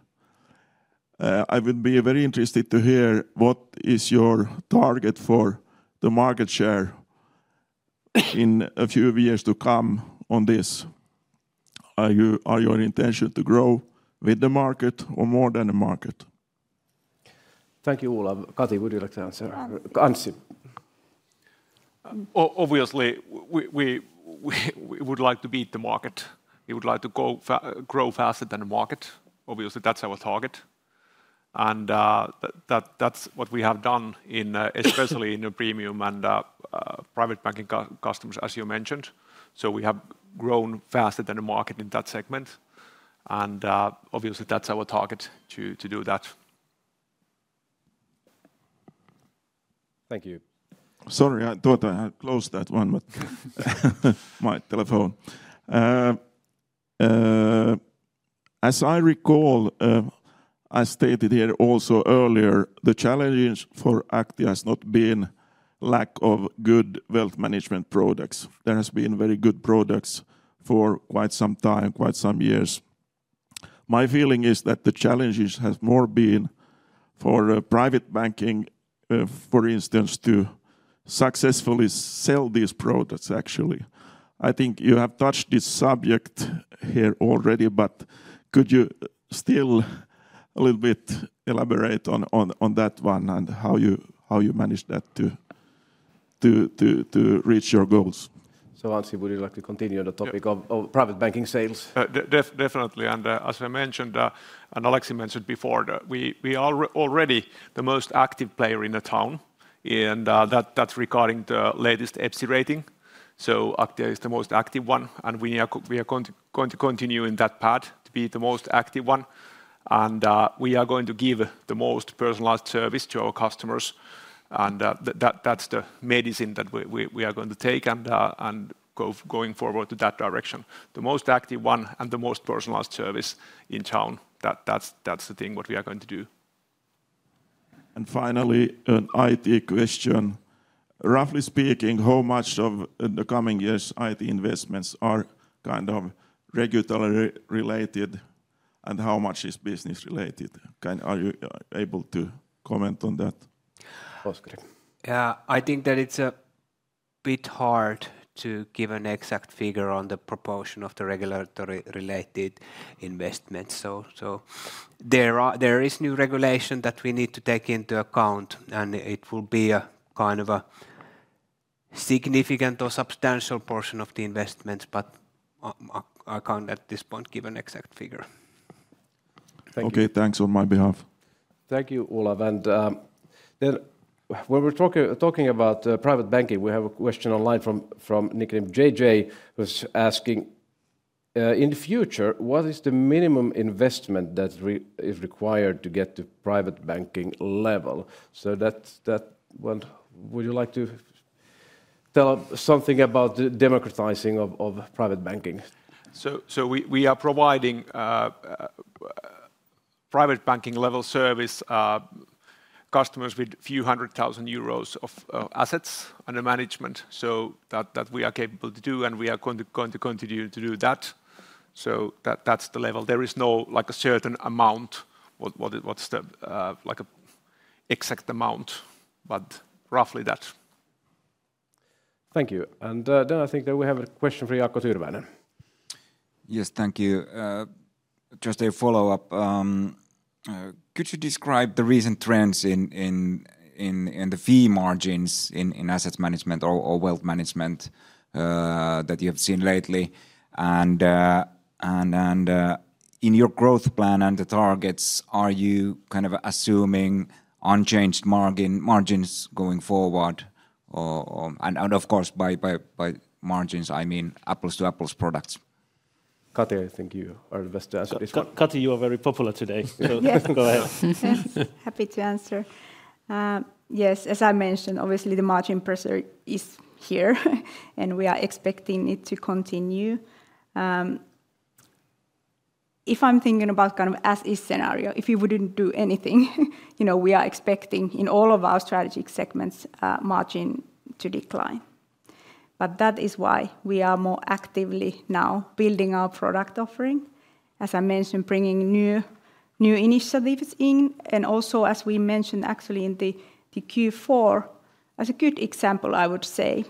I would be very interested to hear what is your target for the market share in a few years to come on this. Are your intentions to grow with the market or more than the market? Thank you, Olav. Kati, would you like to answer? Anssi. Obviously, we would like to beat the market. We would like to grow faster than the market. Obviously, that's our target. And that's what we have done, especially in premium and private banking customers, as you mentioned. So, we have grown faster than the market in that segment. And obviously, that's our target to do that. Thank you. Sorry, I thought I had closed that one, but my telephone. As I recall, I stated here also earlier, the challenges for Aktia have not been lack of good wealth management products. There have been very good products for quite some time, quite some years. My feeling is that the challenges have more been for private banking, for instance, to successfully sell these products, actually. I think you have touched this subject here already, but could you still a little bit elaborate on that one and how you managed that to reach your goals? So, Anssi, would you like to continue on the topic of private banking sales? Definitely. And as I mentioned, and Aleksi mentioned before, we are already the most active player in the town. And that's regarding the latest EPSI Rating. So, Aktia is the most active one, and we are going to continue in that path to be the most active one. We are going to give the most personalized service to our customers. That's the medicine that we are going to take and going forward to that direction. The most active one and the most personalized service in town, that's the thing what we are going to do. Finally, an IT question. Roughly speaking, how much of the coming years' IT investments are kind of regulatory-related and how much is business-related? Are you able to comment on that? Oskari. I think that it's a bit hard to give an exact figure on the proportion of the regulatory-related investments. So, there is new regulation that we need to take into account, and it will be a kind of a significant or substantial portion of the investments, but I can't at this point give an exact figure. Okay, thanks on my behalf. Thank you, Olav. When we're talking about private banking, we have a question online from a nickname JJ, who's asking, in the future, what is the minimum investment that is required to get to private banking level? Would you like to tell something about the democratizing of private banking? We are providing private banking-level service to customers with a few hundred thousand euros of assets under management. That we are capable to do, and we are going to continue to do that. That's the level. There is no certain amount, what's the exact amount, but roughly that. Thank you. I think that we have a question for Jaakko Tyrväinen. Yes, thank you. Just a follow-up. Could you describe the recent trends in the fee margins in asset management or wealth management that you have seen lately? In your growth plan and the targets, are you kind of assuming unchanged margins going forward? Of course, by margins, I mean apples-to-apples products. Kati, I think you are the best to answer this one. Kati, you are very popular today, so go ahead. Happy to answer. Yes, as I mentioned, obviously the margin pressure is here, and we are expecting it to continue. If I'm thinking about kind of as-is scenario, if we wouldn't do anything, we are expecting in all of our strategic segments margin to decline. That is why we are more actively now building our product offering, as I mentioned, bringing new initiatives in. Also, as we mentioned, actually in the Q4, as a good example, I would say,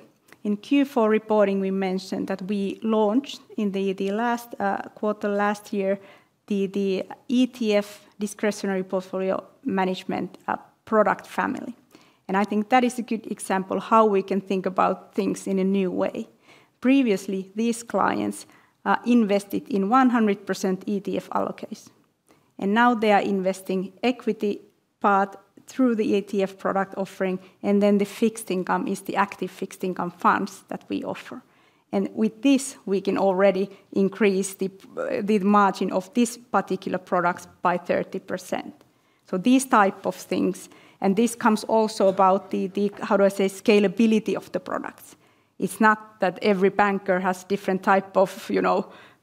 in Q4 reporting, we mentioned that we launched in the last quarter last year the ETF discretionary portfolio management product family. I think that is a good example of how we can think about things in a new way. Previously, these clients invested in 100%, ETF allocations. And now they are investing equity part through the ETF product offering, and then the fixed income is the active fixed income funds that we offer. And with this, we can already increase the margin of this particular product by 30%. So, these types of things, and this comes also about the, how do I say, scalability of the products. It's not that every banker has different types of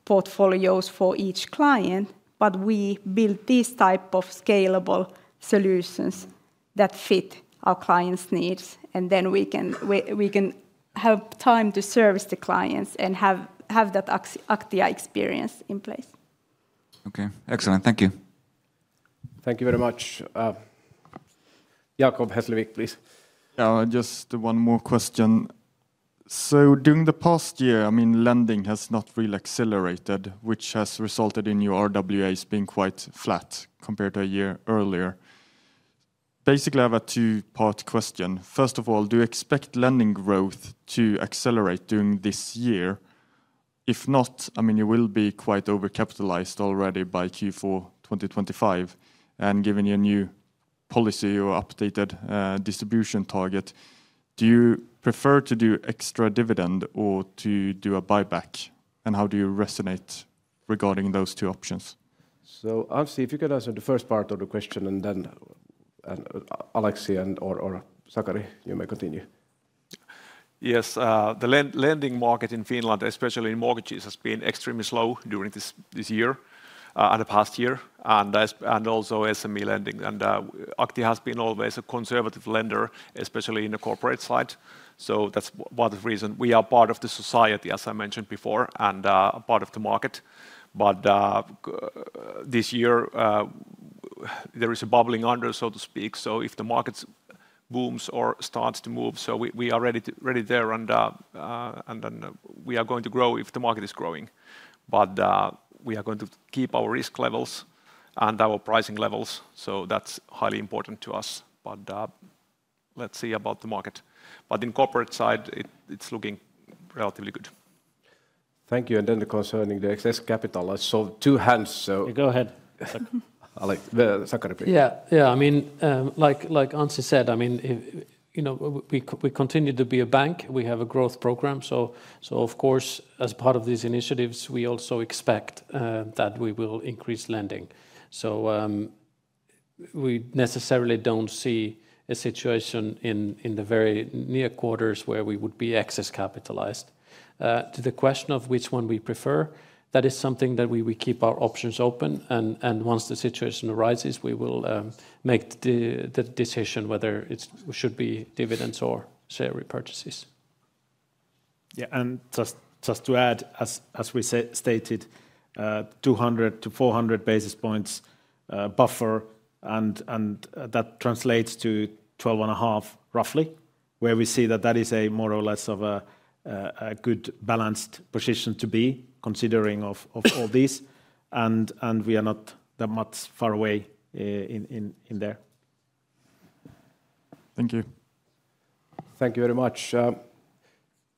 portfolios for each client, but we build these types of scalable solutions that fit our clients' needs, and then we can have time to service the clients and have that Aktia experience in place. Okay, excellent. Thank you. Thank you very much. Jacob Hesslevik, please. Just one more question. So, during the past year, I mean, lending has not really accelerated, which has resulted in your RWAs, being quite flat compared to a year earlier. Basically, I have a two-part question. First of all, do you expect lending growth to accelerate during this year? If not, I mean, you will be quite overcapitalized already by Q4 2025, and given your new policy or updated distribution target, do you prefer to do extra dividend or to do a buyback? And how do you resonate regarding those two options? So, Anssi, if you could answer the first part of the question, and then Aleksi or Sakari, you may continue. Yes, the lending market in Finland, especially in mortgages, has been extremely slow during this year and the past year, and also SME lending. And Aktia has been always a conservative lender, especially in the corporate side. That's one reason we are part of the society, as I mentioned before, and part of the market. But this year, there is a bubbling under, so to speak. If the market booms or starts to move, we are ready there, and then we are going to grow if the market is growing. But we are going to keep our risk levels and our pricing levels. That's highly important to us. But let's see about the market. But in the corporate side, it's looking relatively good. Thank you. Then concerning the excess capital, I saw two hands, so. Go ahead. Aleksi, Sakari, please. Yeah, yeah, I mean, like Anssi said, I mean, we continue to be a bank. We have a growth program. Of course, as part of these initiatives, we also expect that we will increase lending. We necessarily don't see a situation in the very near quarters where we would be excess capitalized. To the question of which one we prefer, that is something that we keep our options open. And once the situation arises, we will make the decision whether it should be dividends or share repurchases. Yeah, and just to add, as we stated, 200-400 basis points buffer, and that translates to 12.5, roughly, where we see that that is more or less of a good balanced position to be, considering all these. And we are not that much far away in there. Thank you. Thank you very much.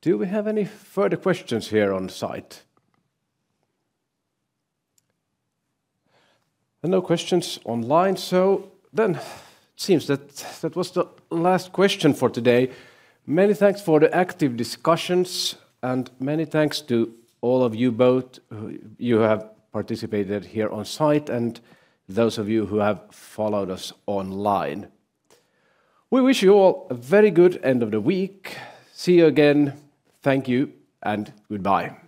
Do we have any further questions here on site? No questions online. It seems that that was the last question for today. Many thanks for the active discussions, and many thanks to all of you both who have participated here on site and those of you who have followed us online. We wish you all a very good end of the week. See you again. Thank you and goodbye.